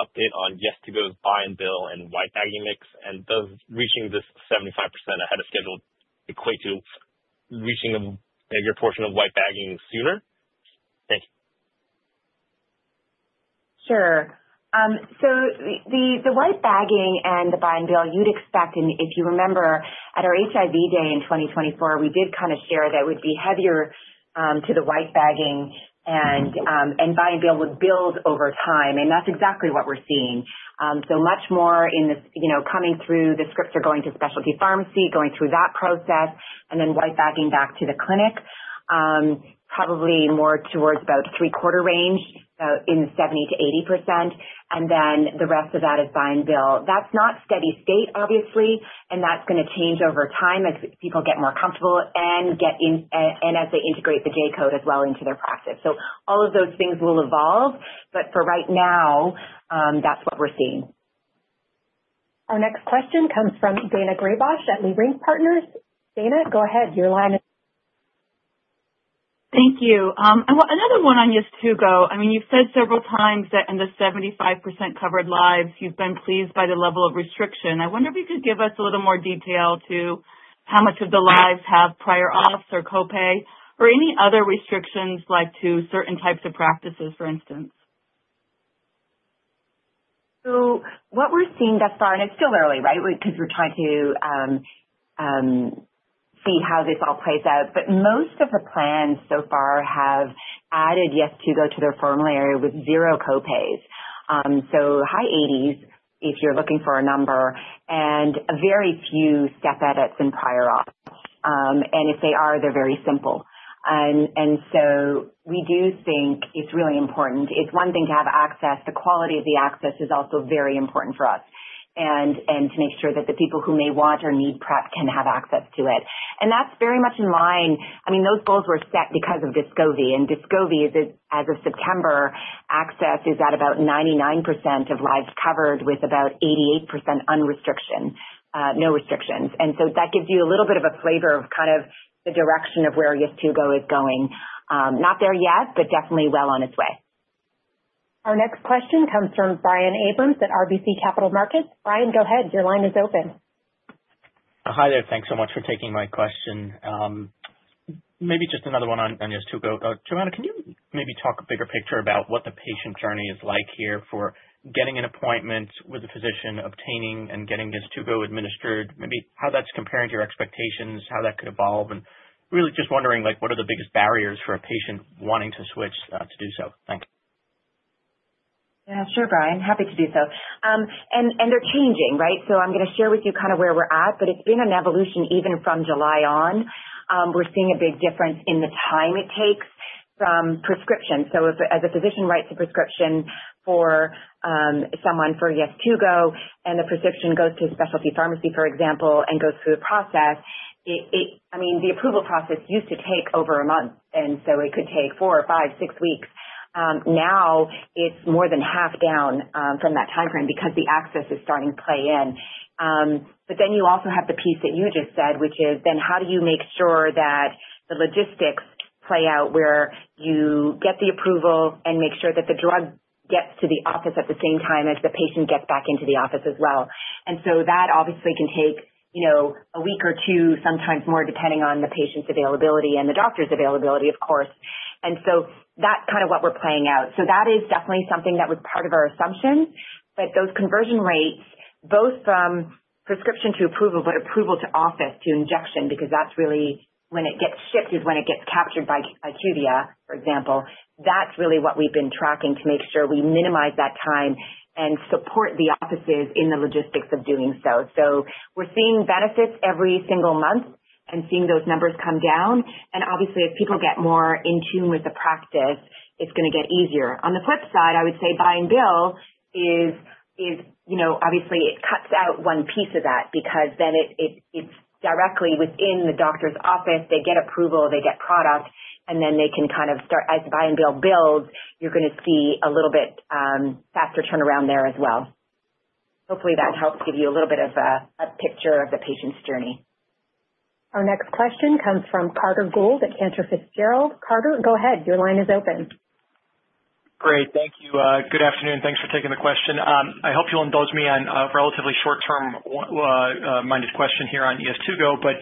Speaker 13: Yeztugo's buy and bill and white bagging mix? And does reaching this 75% ahead of schedule equate to reaching a bigger portion of white bagging sooner? Thank you.
Speaker 4: Sure. So the white bagging and the buy and bill, you'd expect, and if you remember, at our HIV Day in 2024, we did kind of share that it would be heavier to the white bagging, and buy and bill would build over time. And that's exactly what we're seeing. So much more in this coming through, the scripts are going to specialty pharmacy, going through that process, and then white bagging back to the clinic, probably more towards about three-quarter range in the 70%-80%, and then the rest of that is buy and bill. That's not steady state, obviously, and that's going to change over time as people get more comfortable and as they integrate the J-code as well into their practice. So all of those things will evolve, but for right now, that's what we're seeing.
Speaker 1: Our next question comes from Daina Graybosch at Leerink Partners. Daina, go ahead. Your line is.
Speaker 14: Thank you. Another Yeztugo. I mean, you've said several times that in the 75% covered lives, you've been pleased by the level of restriction. I wonder if you could give us a little more detail to how much of the lives have prior auths or copay or any other restrictions like to certain types of practices, for instance.
Speaker 4: So what we're seeing thus far, and it's still early, right, because we're trying to see how this all plays out, but most of the plans so far Yeztugo to their formulary with zero copays. So high 80s if you're looking for a number, and very few step edits and prior auths. And if they are, they're very simple. And so we do think it's really important. It's one thing to have access. The quality of the access is also very important for us, and to make sure that the people who may want or need PrEP can have access to it. And that's very much in line. I mean, those goals were set because of Descovy, and Descovy, as of September, access is at about 99% of lives covered with about 88% no restrictions. And so that gives you a little bit of a flavor of kind of the direction Yeztugo is going. Not there yet, but definitely well on its way.
Speaker 1: Our next question comes from Brian Abrahams at RBC Capital Markets. Brian, go ahead. Your line is open.
Speaker 15: Hi there. Thanks so much for taking my question. Maybe just another Yeztugo. Johanna, can you maybe talk a bigger picture about what the patient journey is like here for getting an appointment with a physician, obtaining Yeztugo administered, maybe how that's comparing to your expectations, how that could evolve, and really just wondering what are the biggest barriers for a patient wanting to switch to do so? Thank you.
Speaker 4: \Yeah. Sure, Brian. Happy to do so. And they're changing, right? So I'm going to share with you kind of where we're at, but it's been an evolution even from July on. We're seeing a big difference in the time it takes from prescription. So as a physician writes a prescription for Yeztugo, and the prescription goes to a specialty pharmacy, for example, and goes through the process, I mean, the approval process used to take over a month, and so it could take four or five, six weeks. Now it's more than half down from that timeframe because the access is starting to play in. But then you also have the piece that you just said, which is then how do you make sure that the logistics play out where you get the approval and make sure that the drug gets to the office at the same time as the patient gets back into the office as well? And so that obviously can take a week or two, sometimes more, depending on the patient's availability and the doctor's availability, of course. And so that's kind of what we're playing out. So that is definitely something that was part of our assumptions, but those conversion rates, both from prescription to approval, but approval to office to injection, because that's really when it gets shipped is when it gets captured by IQVIA, for example. That's really what we've been tracking to make sure we minimize that time and support the offices in the logistics of doing so. So we're seeing benefits every single month and seeing those numbers come down. And obviously, as people get more in tune with the practice, it's going to get easier. On the flip side, I would say buy and bill is obviously it cuts out one piece of that because then it's directly within the doctor's office. They get approval, they get product, and then they can kind of start as buy and bill builds, you're going to see a little bit faster turnaround there as well. Hopefully, that helps give you a little bit of a picture of the patient's journey.
Speaker 1: Our next question comes from Carter Gould at Cantor Fitzgerald. Carter, go ahead. Your line is open.
Speaker 16: Great. Thank you. Good afternoon. Thanks for taking the question. I hope you'll indulge me on a relatively short-term-minded question Yeztugo, but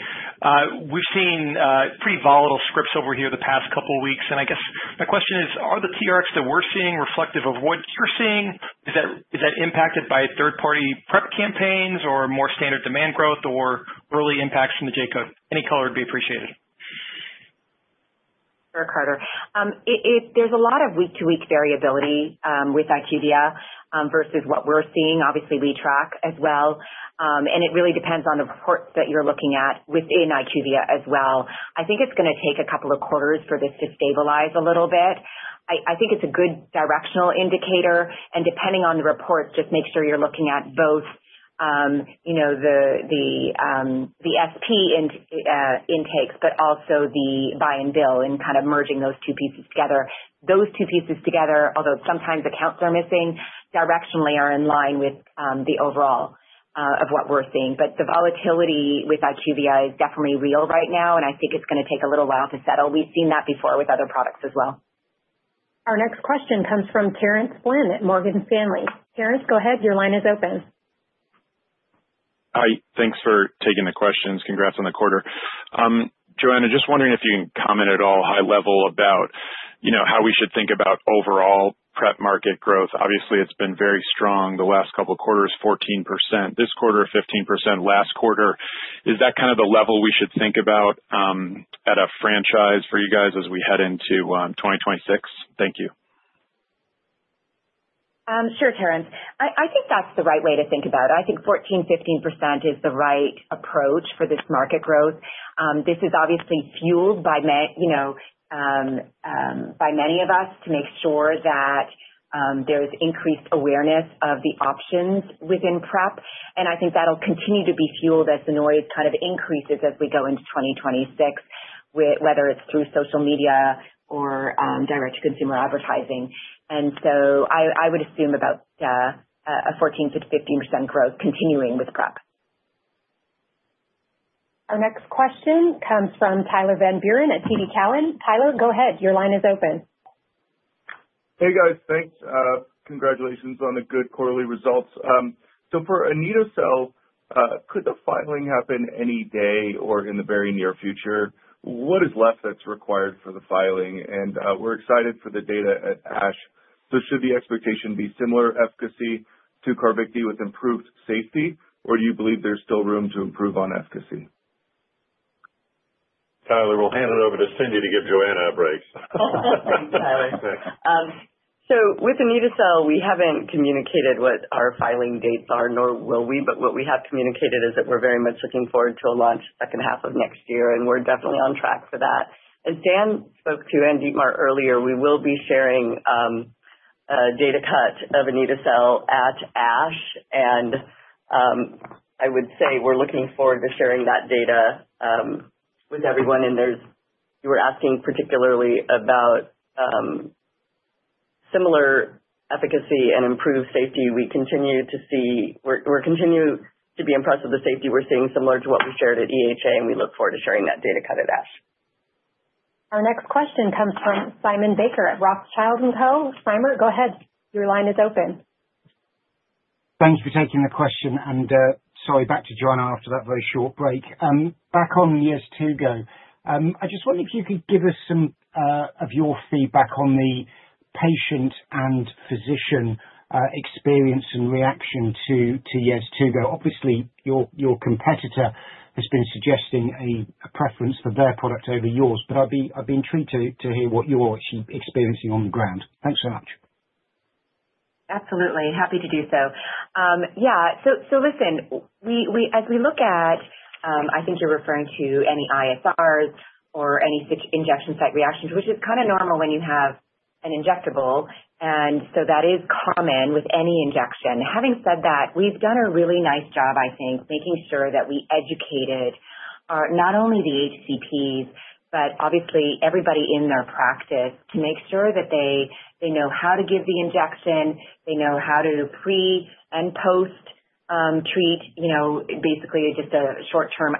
Speaker 16: we've seen pretty volatile scripts over here the past couple of weeks, and I guess my question is, are the TRx that we're seeing reflective of what you're seeing? Is that impacted by third-party prep campaigns or more standard demand growth or early impacts from the J code? Any color would be appreciated.
Speaker 4: Sure, Carter. There's a lot of week-to-week variability with IQVIA versus what we're seeing. Obviously, we track as well, and it really depends on the report that you're looking at within IQVIA as well. I think it's going to take a couple of quarters for this to stabilize a little bit. I think it's a good directional indicator.
Speaker 3: And depending on the report, just make sure you're looking at both the SP intakes, but also the buy and bill and kind of merging those two pieces together. Those two pieces together, although sometimes accounts are missing, directionally are in line with the overall of what we're seeing. But the volatility with IQVIA is definitely real right now, and I think it's going to take a little while to settle. We've seen that before with other products as well.
Speaker 1: Our next question comes from Terence Flynn at Morgan Stanley. Terence, go ahead. Your line is open.
Speaker 17: Hi. Thanks for taking the questions. Congrats on the quarter. Johanna, just wondering if you can comment at all high level about how we should think about overall prep market growth. Obviously, it's been very strong the last couple of quarters, 14%. This quarter, 15%. Last quarter, is that kind of the level we should think about at a franchise for you guys as we head into 2026? Thank you.
Speaker 4: Sure, Terence. I think that's the right way to think about it. I think 14%-15% is the right approach for this market growth. This is obviously fueled by many of us to make sure that there's increased awareness of the options within prep. And I think that'll continue to be fueled as the noise kind of increases as we go into 2026, whether it's through social media or direct-to-consumer advertising. And so I would assume about a 14%-15% growth continuing with prep.
Speaker 1: Our next question comes from Tyler Van Buren at TD Cowen. Tyler, go ahead. Your line is open.
Speaker 18: Hey, guys. Thanks. Congratulations on the good quarterly results. For anito-cel, could the filing happen any day or in the very near future? What is left that's required for the filing? And we're excited for the data at ASH. Should the expectation be similar efficacy to Carvykti with improved safety, or do you believe there's still room to improve on efficacy?
Speaker 3: Tyler, we'll hand it over to Cindy to give Johanna a break.
Speaker 19: Thanks, Tyler. With anito-cel, we haven't communicated what our filing dates are, nor will we, but what we have communicated is that we're very much looking forward to a launch second half of next year, and we're definitely on track for that. As Dan spoke to and Dietmar earlier, we will be sharing a data cut of anito-cel at ASH, and I would say we're looking forward to sharing that data with everyone. And you were asking particularly about similar efficacy and improved safety. We continue to see we're continuing to be impressed with the safety we're seeing, similar to what we shared at EHA, and we look forward to sharing that data cut at ASH.
Speaker 1: Our next question comes from Simon Baker at Rothschild & Co. Simon, go ahead. Your line is open.
Speaker 20: Thanks for taking the question. And sorry, back to Johanna after that very short break. Yeztugo, I just wonder if you could give us some of your feedback on the patient and physician experience and Yeztugo. Obviously, your competitor has been suggesting a preference for their product over yours, but I'd be intrigued to hear what you're actually experiencing on the ground. Thanks so much.
Speaker 4: Absolutely. Happy to do so. Yeah. So listen, as we look at, I think you're referring to any ISRs or any injection site reactions, which is kind of normal when you have an injectable, and so that is common with any injection. Having said that, we've done a really nice job, I think, making sure that we educated not only the HCPs, but obviously everybody in their practice to make sure that they know how to give the injection, they know how to pre and post-treat, basically just a short-term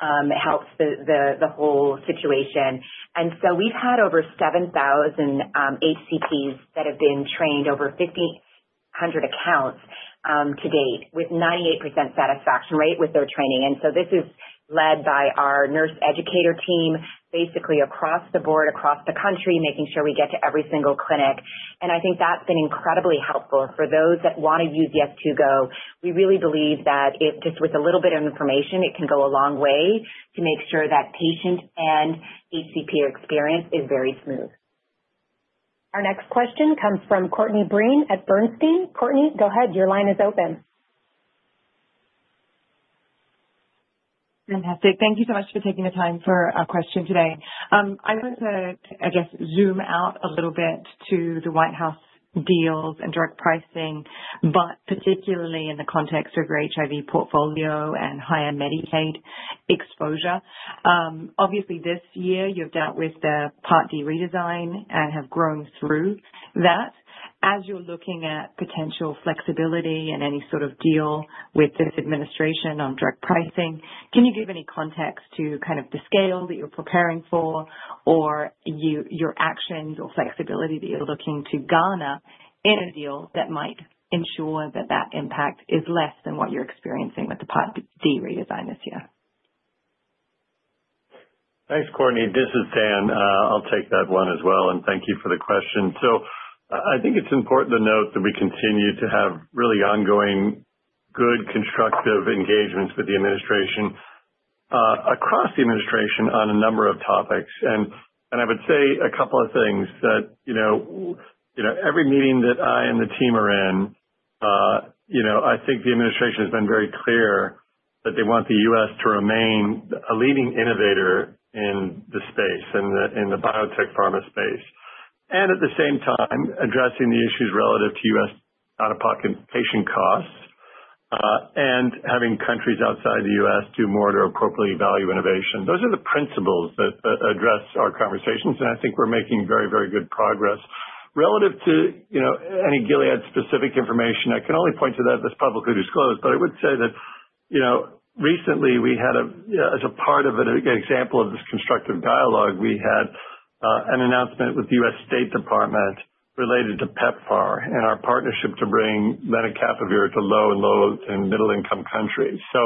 Speaker 4: ice helps the whole situation. And so we've had over 7,000 HCPs that have been trained over 1,500 accounts to date with 98% satisfaction rate with their training. And so this is led by our nurse educator team, basically across the board, across the country, making sure we get to every single clinic. And I think that's been incredibly helpful for those that want Yeztugo. We really believe that just with a little bit of information, it can go a long way to make sure that patient and HCP experience is very smooth.
Speaker 1: Our next question comes from Courtney Breen at Bernstein. Courtney, go ahead. Your line is open.
Speaker 21: Fantastic. Thank you so much for taking the time for a question today. I wanted to, I guess, zoom out a little bit to the white bagging deals and direct pricing, but particularly in the context of your HIV portfolio and higher Medicaid exposure. Obviously, this year, you've dealt with the Part D redesign and have grown through that. As you're looking at potential flexibility and any sort of deal with this administration on direct pricing, can you give any context to kind of the scale that you're preparing for or your actions or flexibility that you're looking to garner in a deal that might ensure that that impact is less than what you're experiencing with the Part D redesign this year?
Speaker 3: Thanks, Courtney. This is Dan. I'll take that one as well, and thank you for the question. So I think it's important to note that we continue to have really ongoing good constructive engagements with the administration across the administration on a number of topics. I would say a couple of things. Every meeting that I and the team are in, I think the administration has been very clear that they want the U.S. to remain a leading innovator in the space, in the biotech pharma space, and at the same time, addressing the issues relative to U.S. out-of-pocket patient costs and having countries outside the U.S. do more to appropriately value innovation. Those are the principles that address our conversations, and I think we're making very, very good progress. Relative to any Gilead-specific information, I can only point to that that's publicly disclosed, but I would say that recently, as a part of an example of this constructive dialogue, we had an announcement with the U.S. Department of State related to PEPFAR and our partnership to bring lenacapavir to low and middle-income countries. So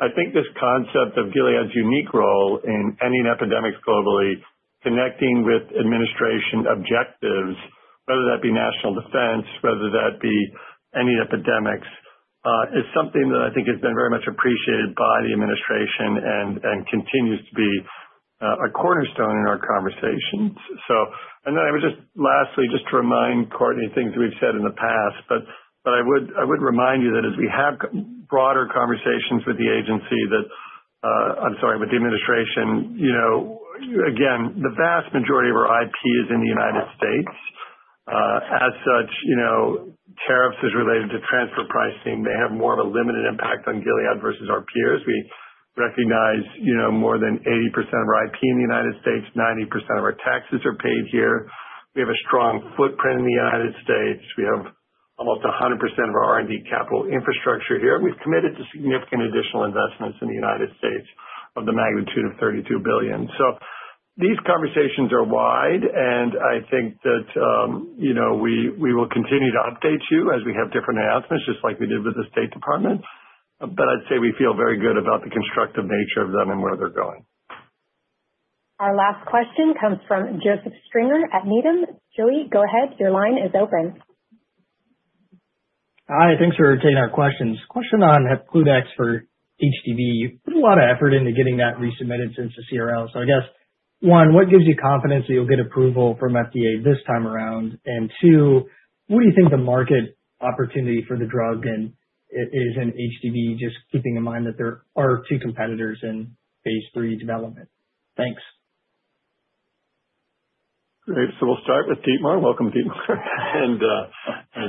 Speaker 3: I think this concept of Gilead's unique role in ending epidemics globally, connecting with administration objectives, whether that be national defense, whether that be ending epidemics, is something that I think has been very much appreciated by the administration and continues to be a cornerstone in our conversations. Then I would just lastly, just to remind Courtney things we've said in the past, but I would remind you that as we have broader conversations with the agency, I'm sorry, with the administration, again, the vast majority of our IP is in the United States. As such, tariffs are related to transfer pricing. They have more of a limited impact on Gilead versus our peers. We recognize more than 80% of our IP in the United States. 90% of our taxes are paid here. We have a strong footprint in the United States. We have almost 100% of our R&D capital infrastructure here. We've committed to significant additional investments in the United States of the magnitude of $32 billion. So these conversations are wide, and I think that we will continue to update you as we have different announcements, just like we did with the State Department. But I'd say we feel very good about the constructive nature of them and where they're going.
Speaker 1: Our last question comes from Joseph Stringer at Needham. Joey, go ahead. Your line is open.
Speaker 22: Hi. Thanks for taking our questions. Question on Hepcludex for HDV. You put a lot of effort into getting that resubmitted since the CRL. So I guess, one, what gives you confidence that you'll get approval from FDA this time around? And two, what do you think the market opportunity for the drug is in HDV, just keeping in mind that there are two competitors in phase III development? Thanks.
Speaker 3: Great. So we'll start with Dietmar. Welcome, Dietmar. And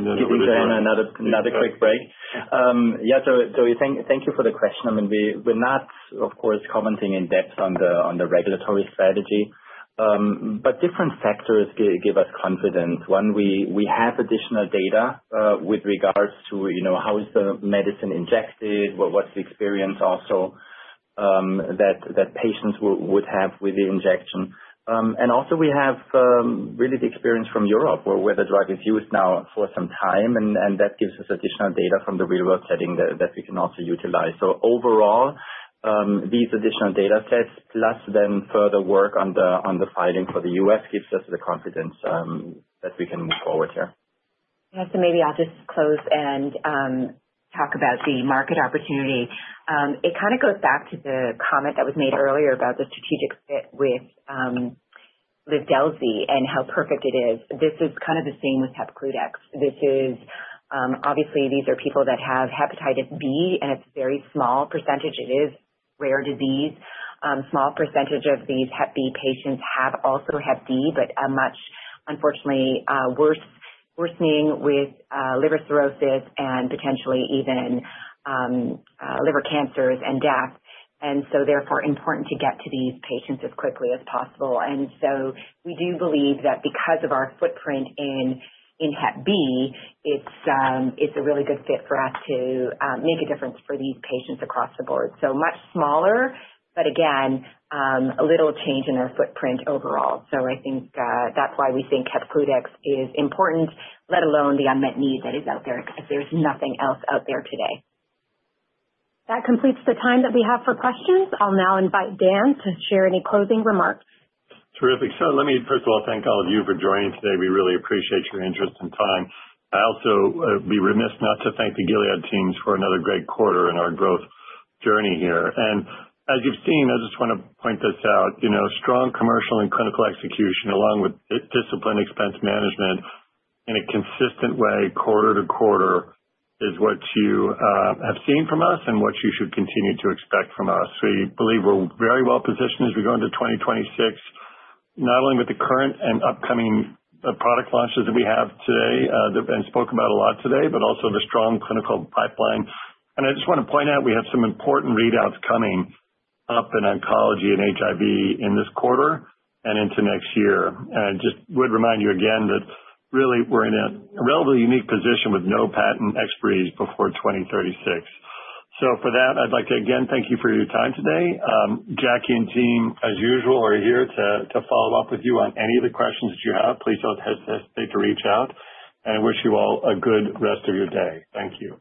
Speaker 3: then we'll jump in.
Speaker 5: It was another quick break. Yeah. So thank you for the question. I mean, we're not, of course, commenting in depth on the regulatory strategy, but different factors give us confidence. One, we have additional data with regards to how is the medicine injected, what's the experience also that patients would have with the injection. And also, we have really the experience from Europe, where the drug is used now for some time, and that gives us additional data from the real-world setting that we can also utilize. So overall, these additional data sets, plus then further work on the filing for the U.S., gives us the confidence that we can move forward here.
Speaker 4: So maybe I'll just close and talk about the market opportunity. It kind of goes back to the comment that was made earlier about the strategic fit with Livdelzi and how perfect it is. This is kind of the same with Hepcludex. Obviously, these are people that have hepatitis B, and it's a very small percentage. It is a rare disease. A small percentage of these Hep B patients have also Hep D, but a much, unfortunately, worse worsening with liver cirrhosis and potentially even liver cancers and death. And so therefore, important to get to these patients as quickly as possible. And so we do believe that because of our footprint in Hep B, it's a really good fit for us to make a difference for these patients across the board. So much smaller, but again, a little change in their footprint overall. So I think that's why we think Hepcludex is important, let alone the unmet need that is out there because there's nothing else out there today.
Speaker 1: That completes the time that we have for questions. I'll now invite Dan to share any closing remarks.
Speaker 3: Terrific. So let me, first of all, thank all of you for joining today. We really appreciate your interest and time. I also would be remiss not to thank the Gilead teams for another great quarter in our growth journey here. And as you've seen, I just want to point this out. Strong commercial and clinical execution along with disciplined expense management in a consistent way, quarter to quarter, is what you have seen from us and what you should continue to expect from us. We believe we're very well positioned as we go into 2026, not only with the current and upcoming product launches that we have today and spoke about a lot today, but also the strong clinical pipeline. I just want to point out we have some important readouts coming up in oncology and HIV in this quarter and into next year. I just would remind you again that really we're in a relatively unique position with no patent expirations before 2036. So for that, I'd like to again thank you for your time today. Jacquie and team, as usual, are here to follow up with you on any of the questions that you have. Please don't hesitate to reach out. And I wish you all a good rest of your day. Thank you.